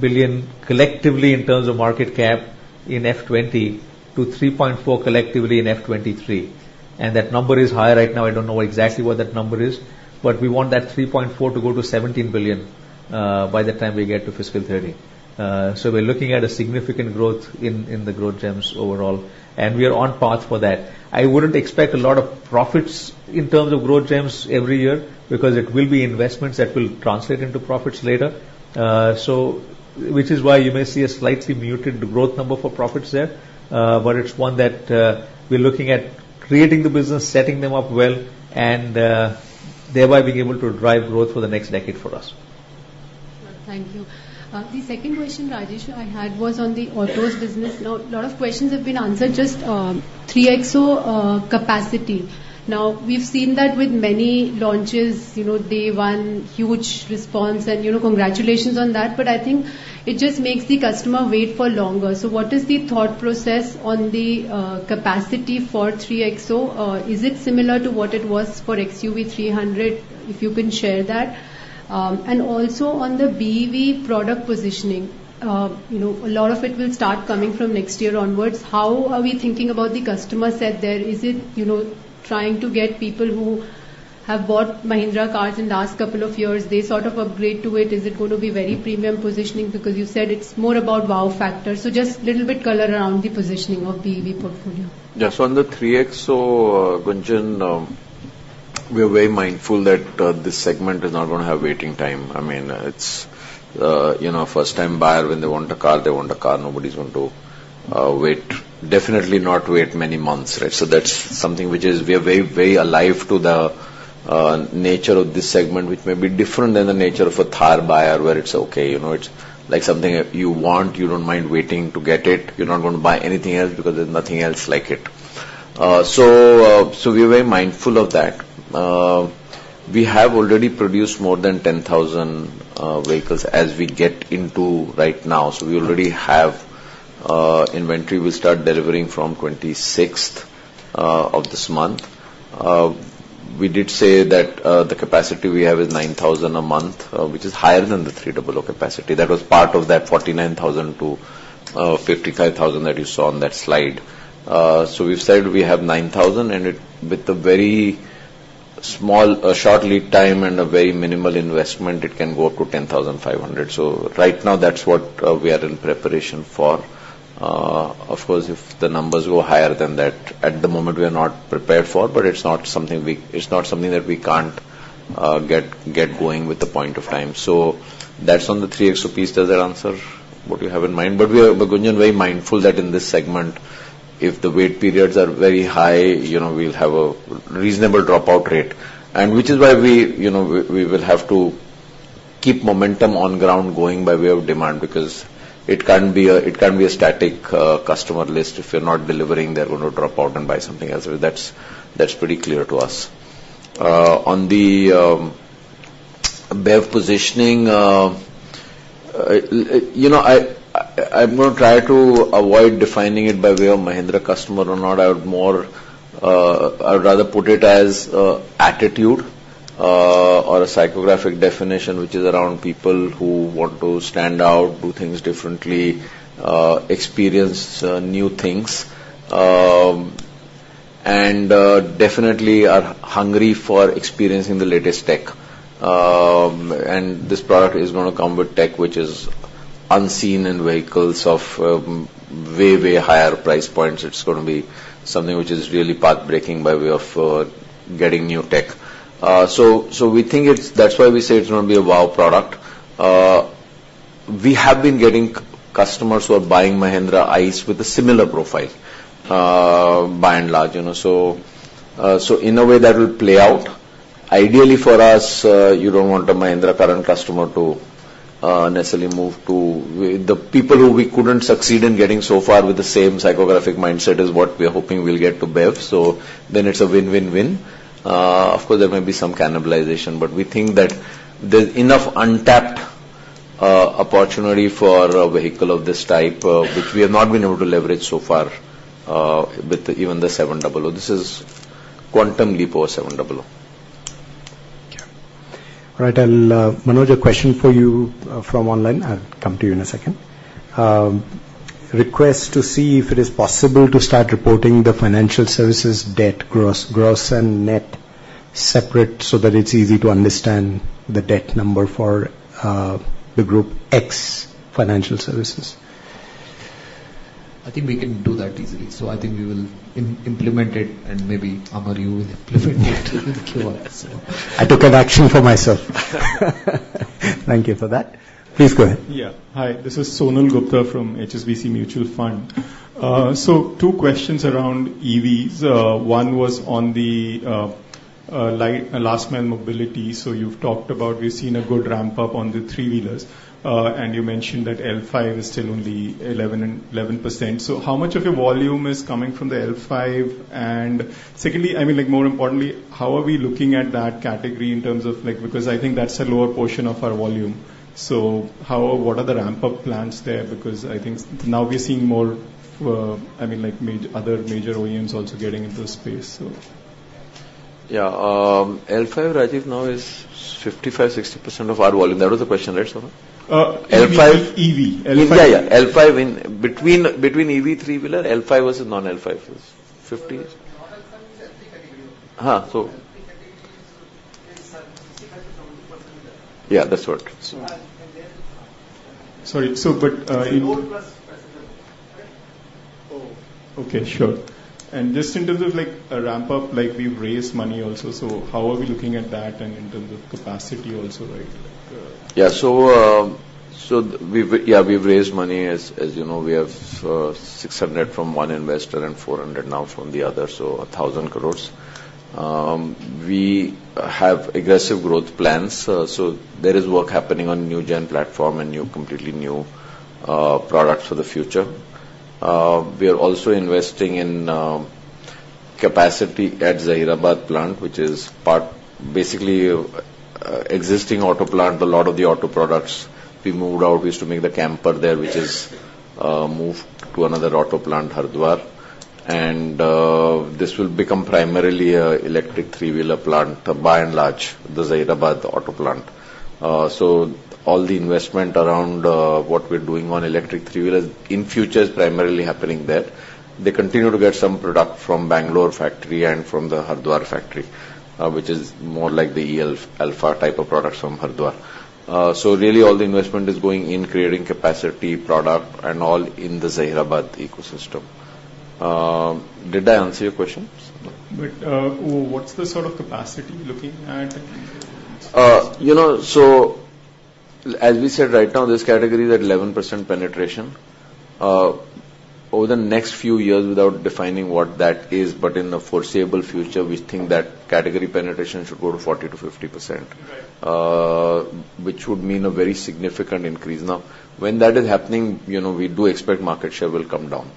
billion collectively in terms of market cap in FY 2020 to $3.4 billion collectively in FY 2023, and that number is higher right now. I don't know exactly what that number is, but we want that $3.4 billion to go to $17 billion, by the time we get to fiscal 2030. So we're looking at a significant growth in the Growth Gems overall, and we are on path for that. I wouldn't expect a lot of profits in terms of Growth Gems every year, because it will be investments that will translate into profits later. So which is why you may see a slightly muted growth number for profits there, but it's one that we're looking at creating the business, setting them up well, and thereby being able to drive growth for the next decade for us. Thank you. The second question, Rajesh, I had was on the autos business. Now, a lot of questions have been answered, just, 3XO, capacity. Now, we've seen that with many launches, you know, day one, huge response, and, you know, congratulations on that, but I think it just makes the customer wait for longer. So what is the thought process on the capacity for 3XO? Is it similar to what it was for XUV300? If you can share that. And also on the BEV product positioning, you know, a lot of it will start coming from next year onwards. How are we thinking about the customer set there? Is it, you know, trying to get people who have bought Mahindra cars in the last couple of years, they sort of upgrade to it? Is it going to be very premium positioning? Because you said it's more about wow factor. Just a little bit color around the positioning of the EV portfolio. Yes, on the 3XO, Gunjan, we are very mindful that this segment is not gonna have waiting time. I mean, it's you know, a first-time buyer, when they want a car, they want a car. Nobody's going to wait. Definitely not wait many months, right? So that's something which is. We are very, very alive to the nature of this segment, which may be different than the nature of a Thar buyer, where it's okay. You know, it's like something that you want, you don't mind waiting to get it. You're not going to buy anything else, because there's nothing else like it. So, so we're very mindful of that. We have already produced more than 10,000 vehicles as we get into right now. So we already have inventory. We'll start delivering from 26th of this month. We did say that the capacity we have is 9,000 a month, which is higher than the 300 capacity. That was part of that 49,000 to 55,000 that you saw on that slide. So we've said we have 9,000, and it- with a very small short lead time and a very minimal investment, it can go up to 10,500. So right now, that's what we are in preparation for. Of course, if the numbers go higher than that, at the moment, we are not prepared for, but it's not something we- it's not something that we can't get going with the point of time. So that's on the 3XOs. Does that answer what you have in mind? But we are, Gunjan, very mindful that in this segment, if the wait periods are very high, you know, we'll have a reasonable dropout rate, and which is why we, you know, will have to keep momentum on ground going by way of demand, because it can't be a static customer list. If you're not delivering, they're going to drop out and buy something else. That's pretty clear to us. On the BEV positioning, you know, I'm going to try to avoid defining it by way of Mahindra customer or not. I would more, I would rather put it as attitude or a psychographic definition, which is around people who want to stand out, do things differently, experience new things, and definitely are hungry for experiencing the latest tech. And this product is gonna come with tech, which is unseen in vehicles of way, way higher price points. It's gonna be something which is really pathbreaking by way of getting new tech. So we think it's—that's why we say it's gonna be a wow product. We have been getting customers who are buying Mahindra ICE with a similar profile, by and large, you know, so in a way, that will play out. Ideally, for us, you don't want a Mahindra current customer to necessarily move to... The people who we couldn't succeed in getting so far with the same psychographic mindset is what we are hoping we'll get to BEV. So then it's a win-win-win. Of course, there may be some cannibalization, but we think that there's enough untapped opportunity for a vehicle of this type, which we have not been able to leverage so far, with even the 700. This is quantum leap over 700. All right. I'll, Manoj, a question for you from online. I'll come to you in a second. Request to see if it is possible to start reporting the financial services debt, gross, gross and net separate, so that it's easy to understand the debt number for the group ex financial services. I think we can do that easily, so I think we will implement it, and maybe Amar you will implement it in the QRs, so. I took an action for myself. Thank you for that. Please go ahead. Yeah. Hi, this is Sonal Gupta from HSBC Mutual Fund. So two questions around EVs. One was on the last-mile mobility. So you've talked about, we've seen a good ramp-up on the three-wheelers, and you mentioned that L5 is still only 11%-11%. So how much of your volume is coming from the L5? And secondly, I mean, like, more importantly, how are we looking at that category in terms of, like... Because I think that's a lower portion of our volume. So what are the ramp-up plans there? Because I think now we are seeing more, I mean, like, other major OEMs also getting into the space, so. Yeah, L5, Rajeev, now is 55, 60% of our volume. That was the question, right, Sonal? Uh, EV. L5- EV. L5. Yeah, yeah. L5 in between, between EV three-wheeler, L5 versus non-L5 is 50- Non-L5 is every category. Uh, so- Every category is 60%-70%. Yeah, that's what. So- Sorry, so but, in—It's low plus, right? Oh, okay. Sure. And just in terms of, like, a ramp-up, like, we've raised money also. So how are we looking at that, and in terms of capacity also, like? Yeah, we've raised money. As you know, we have 600 from one investor and 400 now from the other, so 1,000 crore. We have aggressive growth plans, so there is work happening on new gen platform and new, completely new products for the future. We are also investing in capacity at Zaheerabad plant, which is part... Basically, existing auto plant, a lot of the auto products we moved out. We used to make the camper there, which is moved to another auto plant, Haridwar. And this will become primarily a electric three-wheeler plant, by and large, the Zaheerabad auto plant. So all the investment around what we're doing on electric three-wheelers, in future, is primarily happening there. They continue to get some product from Bangalore factory and from the Haridwar factory, which is more like the e-Alfa type of products from Haridwar. So really all the investment is going in creating capacity, product, and all in the Zaheerabad ecosystem. Did I answer your question? But, what's the sort of capacity looking at? You know, so as we said, right now, this category is at 11% penetration. Over the next few years, without defining what that is, but in the foreseeable future, we think that category penetration should go to 40%-50%. Right. Which would mean a very significant increase. Now, when that is happening, you know, we do expect market share will come down,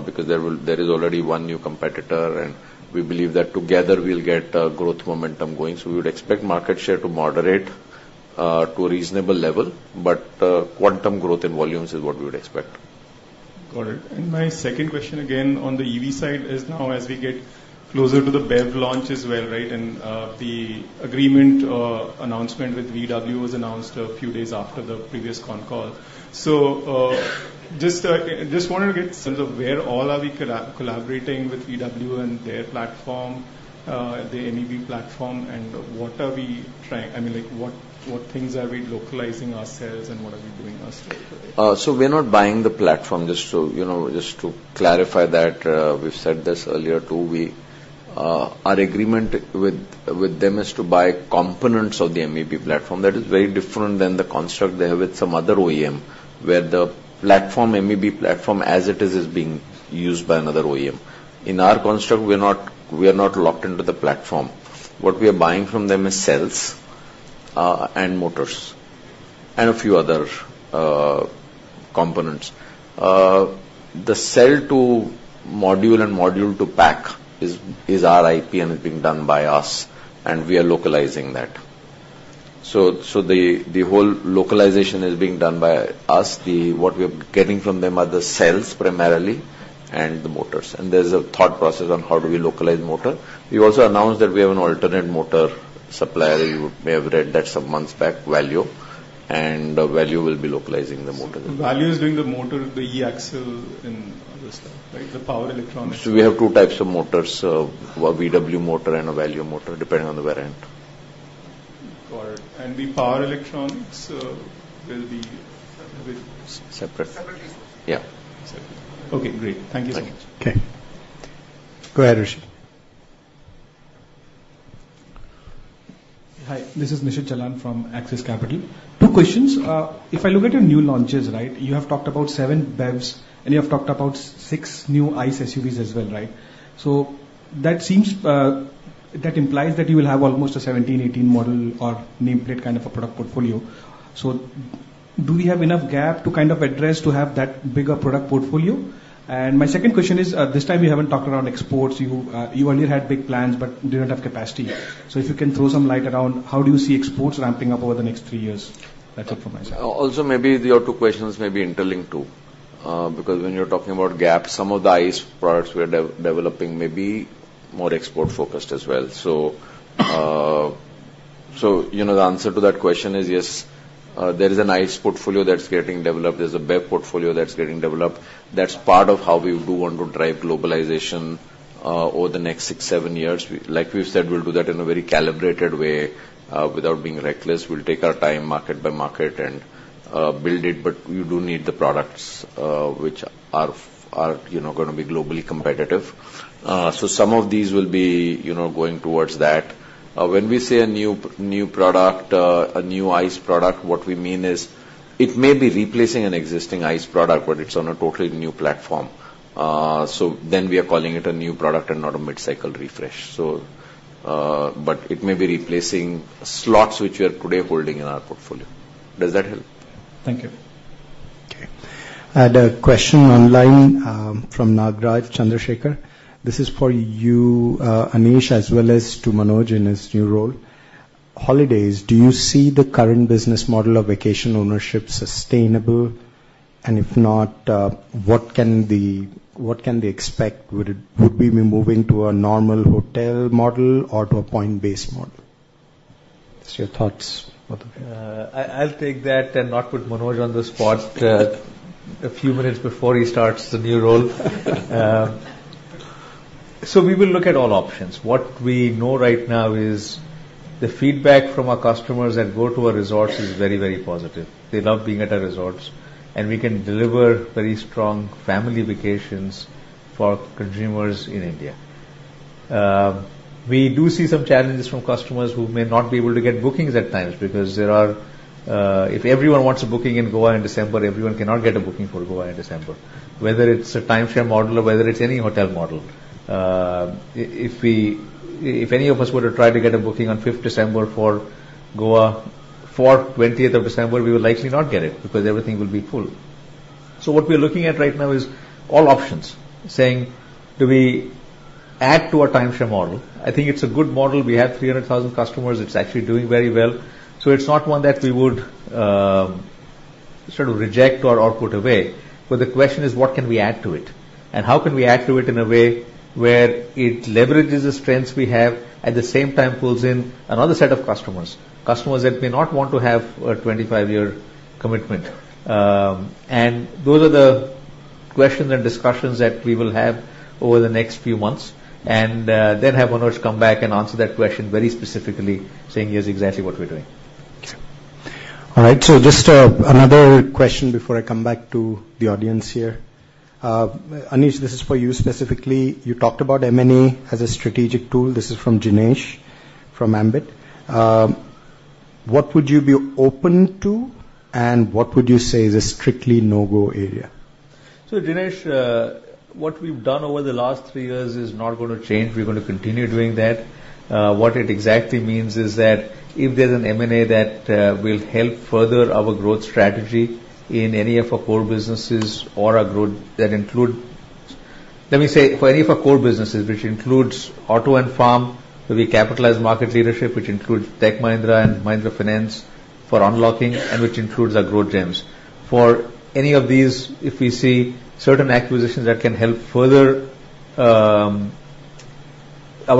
because there is already one new competitor, and we believe that together we'll get growth momentum going. So we would expect market share to moderate to a reasonable level, but quantum growth in volumes is what we would expect. Got it. And my second question, again, on the EV side, is now as we get closer to the BEV launch as well, right? And, the agreement, announcement with VW was announced a few days after the previous con call. So, just, just wanted to get a sense of where all are we collaborating with VW and their platform, the MEB platform, and what are we trying... I mean, like, what, what things are we localizing ourselves, and what are we doing ourselves today? So we are not buying the platform, just to, you know, just to clarify that, we've said this earlier, too. Our agreement with them is to buy components of the MEB platform. That is very different than the construct they have with some other OEM, where the platform, MEB platform, as it is, is being used by another OEM. In our construct, we're not locked into the platform. What we are buying from them is cells, and motors, and a few other components. The cell-to-module and module-to-pack is our IP, and it's being done by us, and we are localizing that. So the whole localization is being done by us. What we are getting from them are the cells, primarily, and the motors. And there's a thought process on how do we localize motor. We also announced that we have an alternate motor supplier. You may have read that some months back, Valeo, and, Valeo will be localizing the motor. Valeo is doing the motor, the e-axle, and other stuff, right? The power electronics. We have two types of motors, one VW motor and a Valeo motor, depending on the variant. Got it. And the power electronics will be- Separate. Separate. Separately. Yeah. Separate. Okay, great. Thank you so much. Okay. Go ahead, Rishi. Hi, this is Nishit Jalan from Axis Capital. Two questions. If I look at your new launches, right, you have talked about 7 BEVs, and you have talked about six new ICE SUVs as well, right? So that seems that implies that you will have almost a 17, 18 model or nameplate kind of a product portfolio. So do we have enough gap to kind of address to have that bigger product portfolio? And my second question is, this time you haven't talked about exports. You you only had big plans but didn't have capacity. So if you can throw some light around, how do you see exports ramping up over the next three years? That's it from my side. Also, maybe your two questions may be interlinked, too. Because when you're talking about gap, some of the ICE products we are developing may be more export-focused as well. So,... So, you know, the answer to that question is, yes, there is a nice portfolio that's getting developed. There's a bare portfolio that's getting developed. That's part of how we do want to drive globalization, over the next six, seven years. We—like we've said, we'll do that in a very calibrated way, without being reckless. We'll take our time, market by market, and, build it, but we do need the products, which are, are, you know, gonna be globally competitive. So some of these will be, you know, going towards that. When we say a new, new product, a new ICE product, what we mean is, it may be replacing an existing ICE product, but it's on a totally new platform. So then we are calling it a new product and not a mid-cycle refresh. But it may be replacing slots which we are today holding in our portfolio. Does that help? Thank you. Okay. I had a question online, from Nagraj Chandrasekar. This is for you, Anish, as well as to Manoj in his new role. Holidays: do you see the current business model of vacation ownership sustainable? And if not, what can we expect? Would we be moving to a normal hotel model or to a point-based model? What's your thoughts, both of you? I'll take that and not put Manoj on the spot, a few minutes before he starts the new role. So we will look at all options. What we know right now is the feedback from our customers that go to a resort is very, very positive. They love being at our resorts, and we can deliver very strong family vacations for consumers in India. We do see some challenges from customers who may not be able to get bookings at times because there are... If everyone wants a booking in Goa in December, everyone cannot get a booking for Goa in December, whether it's a timeshare model or whether it's any hotel model. If any of us were to try to get a booking on fifth December for Goa, for twentieth of December, we would likely not get it because everything will be full. So what we're looking at right now is all options, saying, do we add to our timeshare model? I think it's a good model. We have 300,000 customers. It's actually doing very well. So it's not one that we would sort of reject or put away. But the question is: What can we add to it? And how can we add to it in a way where it leverages the strengths we have, at the same time, pulls in another set of customers, customers that may not want to have a 25-year commitment. And those are the questions and discussions that we will have over the next few months, and then have Manoj come back and answer that question very specifically, saying, "Here's exactly what we're doing. All right, so just another question before I come back to the audience here. Anish, this is for you specifically. You talked about M&A as a strategic tool. This is from Jinesh, from Ambit. What would you be open to, and what would you say is a strictly no-go area? So, Jinesh, what we've done over the last three years is not gonna change. We're gonna continue doing that. What it exactly means is that if there's an M&A that will help further our growth strategy in any of our core businesses or our growth, that include... Let me say, for any of our core businesses, which includes auto and farm, where we capitalize market leadership, which includes Tech Mahindra and Mahindra Finance for unlocking, and which includes our Growth Gems. For any of these, if we see certain acquisitions that can help further our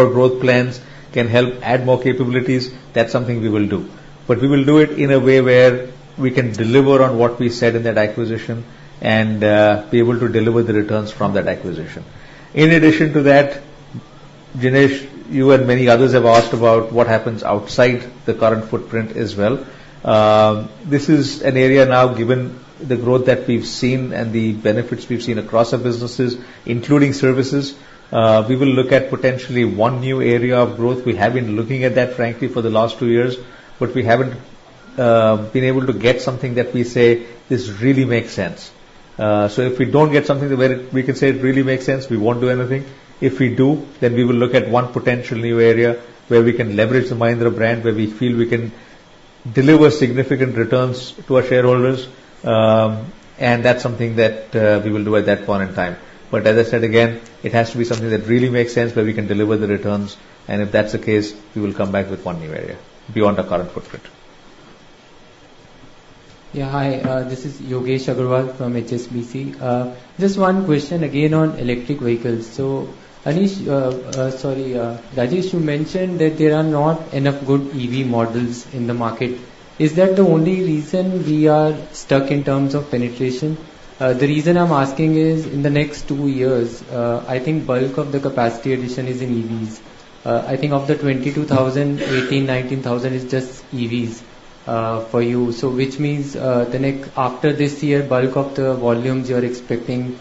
growth plans, can help add more capabilities, that's something we will do. But we will do it in a way where we can deliver on what we said in that acquisition and be able to deliver the returns from that acquisition. In addition to that, Jinesh, you and many others have asked about what happens outside the current footprint as well. This is an area now, given the growth that we've seen and the benefits we've seen across our businesses, including services, we will look at potentially one new area of growth. We have been looking at that, frankly, for the last two years, but we haven't been able to get something that we say, "This really makes sense." So if we don't get something the way that we can say it really makes sense, we won't do anything. If we do, then we will look at one potential new area where we can leverage the Mahindra brand, where we feel we can deliver significant returns to our shareholders. And that's something that we will do at that point in time. But as I said again, it has to be something that really makes sense, where we can deliver the returns, and if that's the case, we will come back with one new area beyond our current footprint. Yeah, hi, this is Yogesh Aggarwal from HSBC. Just one question again on electric vehicles. So, Anish, sorry, Rajesh, you mentioned that there are not enough good EV models in the market. Is that the only reason we are stuck in terms of penetration? The reason I'm asking is, in the next 2 years, I think bulk of the capacity addition is in EVs. I think of the 22,000, 18,000-19,000 is just EVs, for you. So which means, the next after this year, bulk of the volumes you are expecting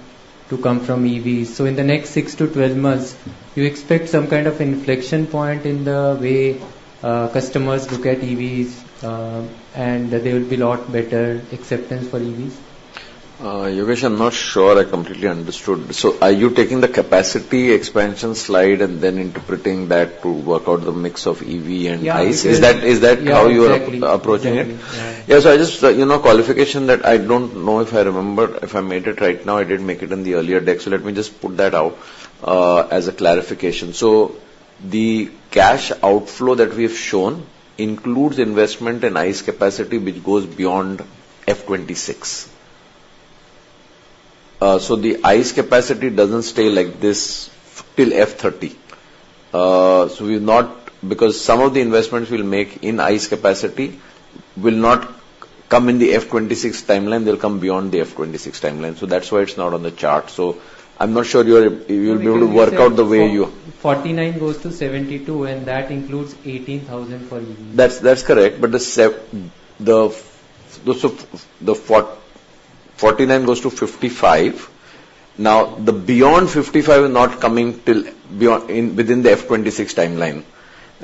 to come from EVs. So in the next 6-12 months, you expect some kind of inflection point in the way, customers look at EVs, and that there will be a lot better acceptance for EVs? Yogesh, I'm not sure I completely understood. So are you taking the capacity expansion slide and then interpreting that to work out the mix of EV and ICE? Yeah. Is that how you are- Exactly. -approaching it? Exactly. Yeah. Yeah, so I just, you know, qualification that I don't know if I remember if I made it right now, I did make it in the earlier deck, so let me just put that out, as a clarification. So the cash outflow that we've shown includes investment in ICE capacity, which goes beyond FY 2026. So the ICE capacity doesn't stay like this till FY 2030. So because some of the investments we'll make in ICE capacity will not come in the FY 2026 timeline, they'll come beyond the FY 2026 timeline. So that's why it's not on the chart. So I'm not sure you're, you'll be able to work out the way you- 49 goes to 72, and that includes 18,000 for EV. That's correct. But the 49 goes to 55. Now, the beyond 55 is not coming till beyond within the FY26 timeline,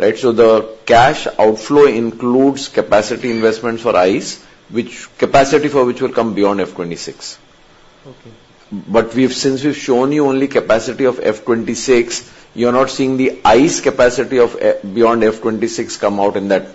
right? So the cash outflow includes capacity investments for ICE, which capacity for which will come beyond FY26. Okay. But since we've shown you only capacity of FY 2026, you're not seeing the ICE capacity beyond FY 2026 come out in that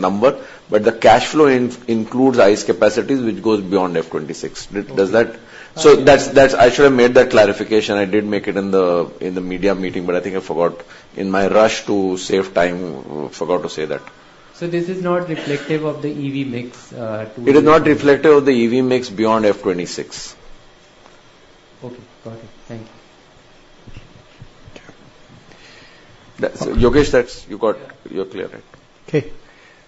number. But the cash flow includes ICE capacities, which goes beyond FY 2026. Okay. So that's. I should have made that clarification. I did make it in the media meeting, but I think I forgot. In my rush to save time, forgot to say that. So this is not reflective of the EV mix, to- It is not reflective of the EV mix beyond FY26. Okay, got it. Thank you. That's, Yogesh, that's, you got- Yeah. You're clear, right? Okay.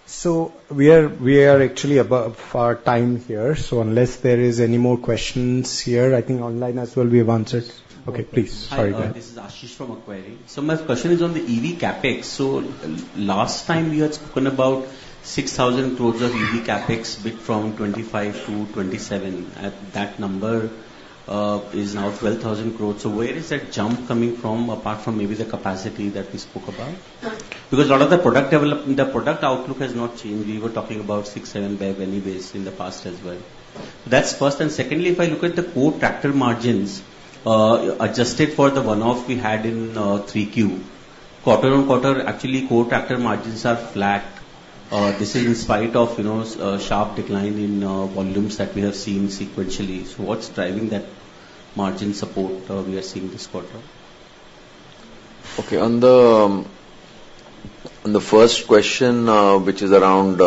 So we are, we are actually above our time here. So unless there is any more questions here, I think online as well, we have answered. Okay, please. Sorry, go ahead. Hi, this is Ashish from Macquarie. So my question is on the EV CapEx. So last time we had spoken about 6,000 crore of EV CapEx between 2025-2027. At that number is now 12,000 crore. So where is that jump coming from, apart from maybe the capacity that we spoke about? Uh- Because a lot of the product outlook has not changed. We were talking about 6-7 BEV anyways in the past as well. That's first and secondly, if I look at the core tractor margins, adjusted for the one-off we had in 3Q, quarter-on-quarter, actually, core tractor margins are flat. This is in spite of, you know, a sharp decline in volumes that we have seen sequentially. So what's driving that margin support we are seeing this quarter? Okay, on the first question, which is around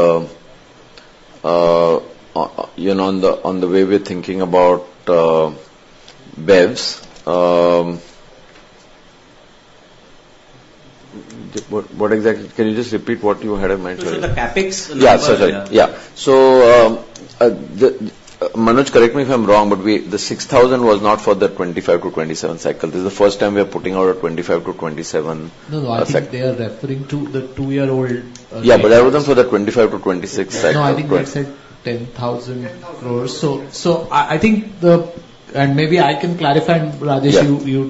you know, on the way we're thinking about BEVs, what exactly... Can you just repeat what you had in mind? It's the CapEx number. Yeah, sorry. Yeah. So, Manoj, correct me if I'm wrong, but the 6,000 was not for the 25-27 cycle. This is the first time we are putting out a 25-27- No, no, I think they are referring to the two-year-old, Yeah, but I was on for the 25-26 cycle. No, I think they had said 10,000- Ten thousand. -crores. So, I think the... And maybe I can clarify, and Rajesh- Yeah.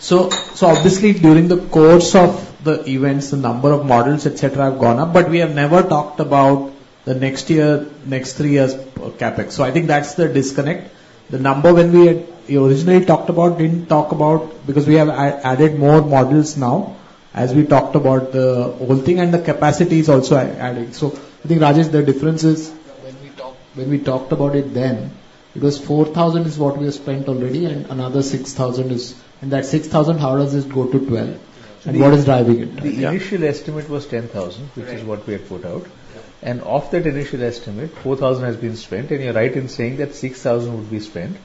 So obviously, during the course of the events, the number of models, et cetera, have gone up, but we have never talked about the next year, next three years' CapEx. So I think that's the disconnect. The number when we had originally talked about, didn't talk about, because we have added more models now as we talked about the whole thing, and the capacity is also adding. So I think, Rajesh, the difference is when we talked, when we talked about it then, it was 4,000 is what we have spent already, and another 6,000 is, and that 6,000, how does this go to 12,000? And what is driving it? Yeah. The initial estimate was 10,000- Right. which is what we had put out. Yeah. Of that initial estimate, 4,000 has been spent, and you're right in saying that 6,000 would be spent.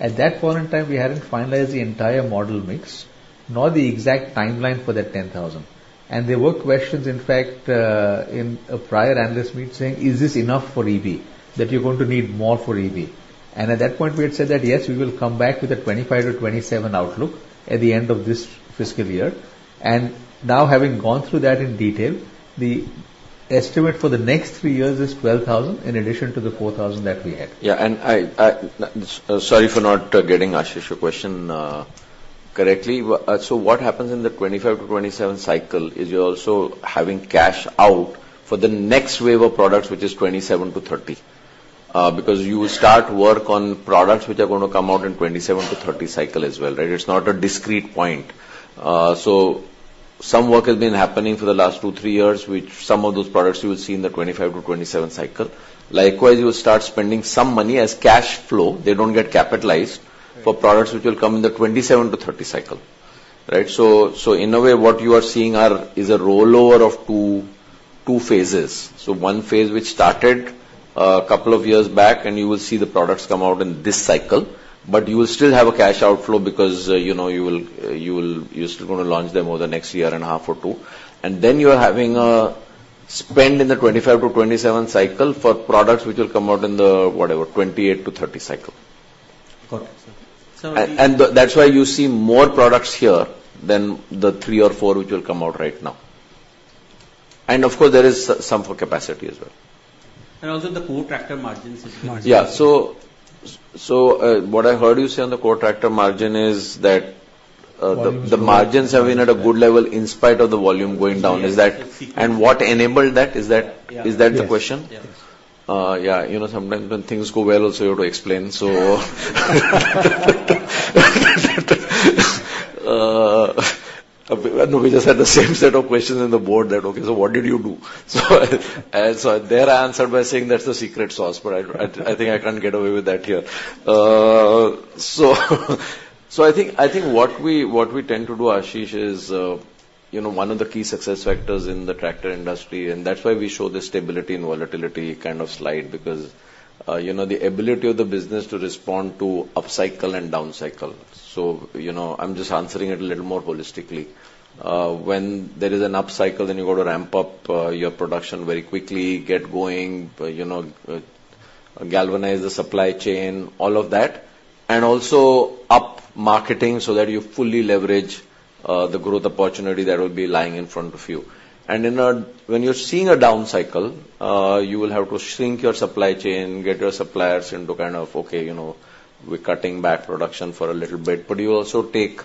At that point in time, we hadn't finalized the entire model mix, nor the exact timeline for that 10,000. There were questions, in fact, in a prior analyst meet saying: "Is this enough for EV, that you're going to need more for EV?" At that point, we had said that, "Yes, we will come back with a 25-27 outlook at the end of this fiscal year." Now, having gone through that in detail, the estimate for the next three years is 12,000, in addition to the 4,000 that we had. Yeah, and sorry for not getting, Ashish, your question, correctly. So what happens in the 25-27 cycle is you're also having cash out for the next wave of products, which is 27-30. Because you start work on products which are going to come out in 27-30 cycle as well, right? It's not a discrete point. So some work has been happening for the last two, three years, which some of those products you will see in the 25-27 cycle. Likewise, you start spending some money as cash flow, they don't get capitalized- Right. for products which will come in the 27-30 cycle. Right. So, so in a way, what you are seeing are, is a rollover of two, two phases. So one phase which started a couple of years back, and you will see the products come out in this cycle, but you will still have a cash outflow because, you know, you will, you will—you're still gonna launch them over the next year and a half or two. And then you are having a spend in the 25-27 cycle for products which will come out in the, whatever, 28-30 cycle. Got it. And that's why you see more products here than the three or four which will come out right now. And of course, there is some for capacity as well. And also, the core tractor margins as well. Yeah. So, what I heard you say on the core tractor margin is that- Volumes... the margins have been at a good level in spite of the volume going down. Yes. And what enabled that? Yeah. Is that the question? Yes. Yeah, you know, sometimes when things go well, also you have to explain. So, we just had the same set of questions in the board, that, "Okay, so what did you do?" So, there, I answered by saying, "That's the secret sauce," but I, I think I can't get away with that here. So, so I think, I think what we, what we tend to do, Ashish, is... You know, one of the key success factors in the tractor industry, and that's why we show the stability and volatility kind of slide, because, you know, the ability of the business to respond to upcycle and downcycle. So, you know, I'm just answering it a little more holistically. When there is an upcycle, then you go to ramp up your production very quickly, get going, you know, galvanize the supply chain, all of that. And also up marketing so that you fully leverage the growth opportunity that will be lying in front of you. And when you're seeing a downcycle, you will have to shrink your supply chain, get your suppliers into kind of, okay, you know, we're cutting back production for a little bit, but you also take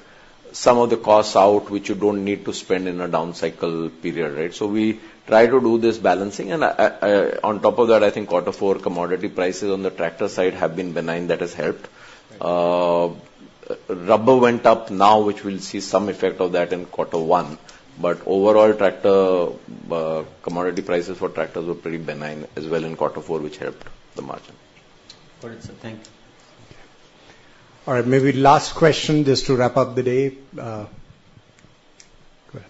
some of the costs out, which you don't need to spend in a downcycle period, right? So we try to do this balancing, and on top of that, I think quarter four commodity prices on the tractor side have been benign. That has helped. Rubber went up now, which we'll see some effect of that in quarter one, but overall, tractor commodity prices for tractors were pretty benign as well in quarter four, which helped the margin. Got it, sir. Thank you. All right, maybe last question, just to wrap up the day, go ahead.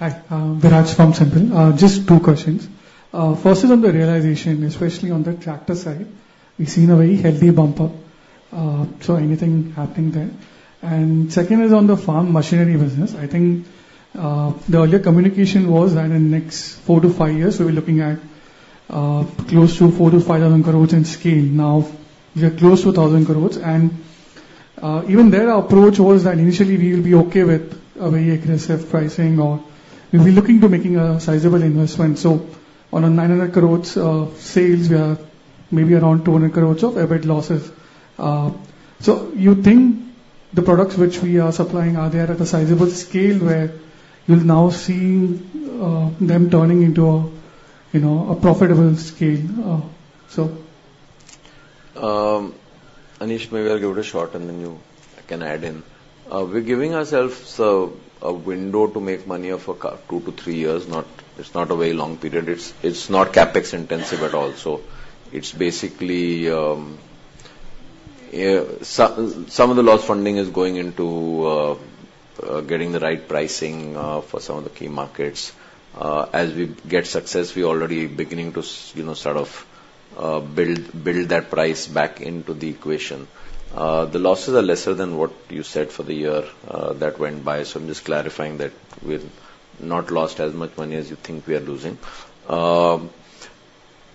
Hi, Viraj from SiMPL. Just 2 questions. First is on the realization, especially on the tractor side, we've seen a very healthy bump up. So anything happening there? And second is on the Farm Machinery business. I think, the earlier communication was that in the next 4-5 years, we'll be looking at, close to 4,000-5,000 crore in scale. Now, we are close to 1,000 crore, and, even there, our approach was that initially we will be okay with a very aggressive pricing, or we'll be looking to making a sizable investment. So on 900 crore of sales, we are maybe around 200 crore of EBIT losses. So you think the products which we are supplying, are they at a sizable scale where you'll now see them turning into a, you know, a profitable scale? So... Anish, maybe I'll give it a shot, and then you can add in. We're giving ourselves a window to make money of two to three years. It's not a very long period. It's not CapEx intensive at all. So it's basically, yeah, some of the loss funding is going into getting the right pricing for some of the key markets. As we get success, we already beginning to you know, sort of, build that price back into the equation. The losses are lesser than what you said for the year that went by, so I'm just clarifying that we've not lost as much money as you think we are losing.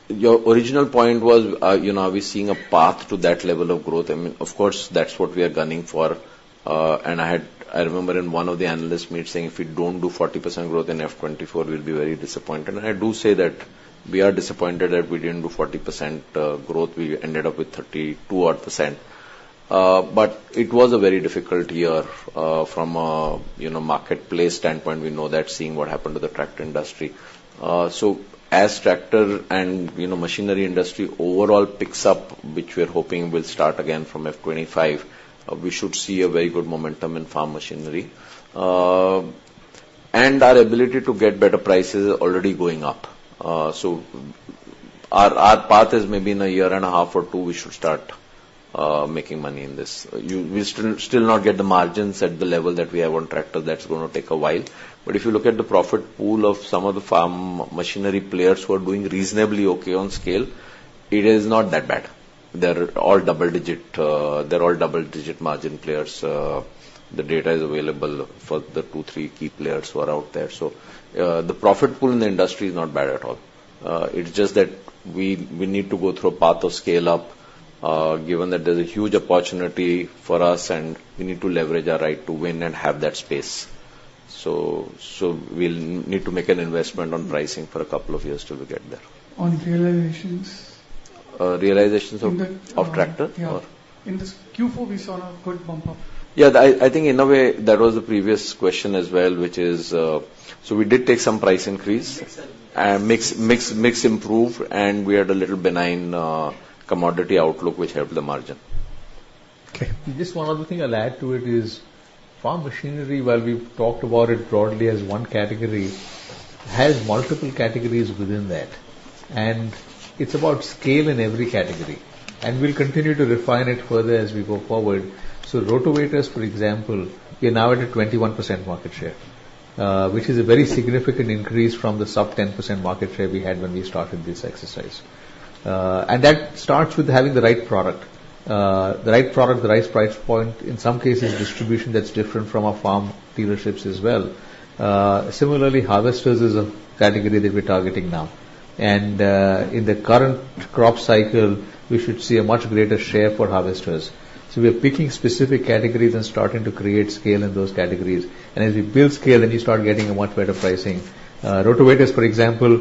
Your original point was, you know, are we seeing a path to that level of growth? I mean, of course, that's what we are gunning for. And I had... I remember in one of the analyst meetings saying, "If we don't do 40% growth in FY 2024, we'll be very disappointed." And I do say that we are disappointed that we didn't do 40% growth. We ended up with 32-odd%. But it was a very difficult year, from a, you know, marketplace standpoint, we know that, seeing what happened to the tractor industry. So as tractor and, you know, machinery industry overall picks up, which we're hoping will start again from FY 2025, we should see a very good momentum in Farm Machinery. And our ability to get better prices is already going up. So our, our path is maybe in a year and a half or 2, we should start making money in this. We still, still not get the margins at the level that we have on tractor. That's gonna take a while. But if you look at the profit pool of some of the Farm Machinery players who are doing reasonably okay on scale, it is not that bad. They're all double digit, they're all double-digit margin players. The data is available for the two, three key players who are out there. So, the profit pool in the industry is not bad at all. It's just that we, we need to go through a path of scale up, given that there's a huge opportunity for us, and we need to leverage our right to win and have that space. So, we'll need to make an investment on pricing for a couple of years till we get there. On realizations? Realizations of- In the- -of tractor? Yeah. Or... In this Q4, we saw a good bump up. Yeah, I think in a way, that was the previous question as well, which is, so we did take some price increase. Mix improvement. Mix improved, and we had a little benign commodity outlook, which helped the margin. Okay. Just one other thing I'll add to it is, Farm Machinery, while we've talked about it broadly as one category, has multiple categories within that, and it's about scale in every category, and we'll continue to refine it further as we go forward. So rotavators, for example, we are now at a 21% market share, which is a very significant increase from the sub-10% market share we had when we started this exercise. And that starts with having the right product. The right product, the right price point, in some cases, distribution that's different from our farm dealerships as well. Similarly, harvesters is a category that we're targeting now, and, in the current crop cycle, we should see a much greater share for harvesters. So we are picking specific categories and starting to create scale in those categories, and as we build scale, then you start getting a much better pricing. Rotavators, for example,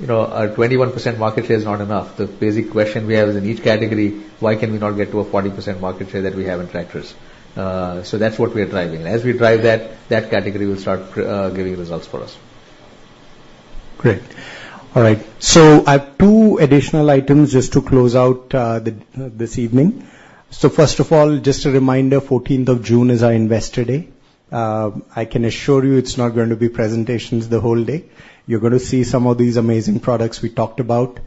you know, our 21% market share is not enough. The basic question we have is, in each category, why can we not get to a 40% market share that we have in tractors? So that's what we are driving. As we drive that, that category will start giving results for us. Great. All right, so I have two additional items just to close out this evening. So first of all, just a reminder, fourteenth of June is our Investor Day. I can assure you, it's not going to be presentations the whole day. You're going to see some of these amazing products we talked about.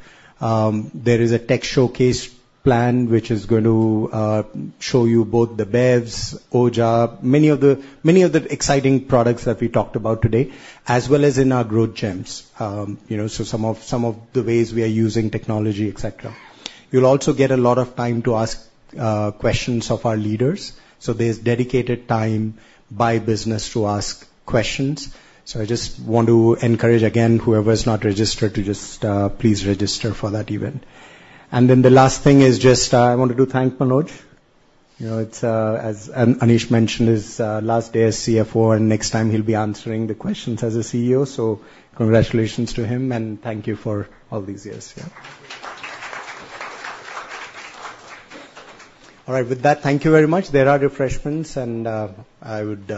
There is a tech showcase plan, which is going to show you both the BEVs, Oja, many of the exciting products that we talked about today, as well as in our Growth Gems. You know, so some of the ways we are using technology, et cetera. You'll also get a lot of time to ask questions of our leaders, so there's dedicated time by business to ask questions. So I just want to encourage again, whoever is not registered, to just, please register for that event. And then the last thing is just, I wanted to thank Manoj. You know, it's, as Anish mentioned, his, last day as CFO, and next time he'll be answering the questions as the CEO. So congratulations to him, and thank you for all these years here. All right. With that, thank you very much. There are refreshments, and, I would,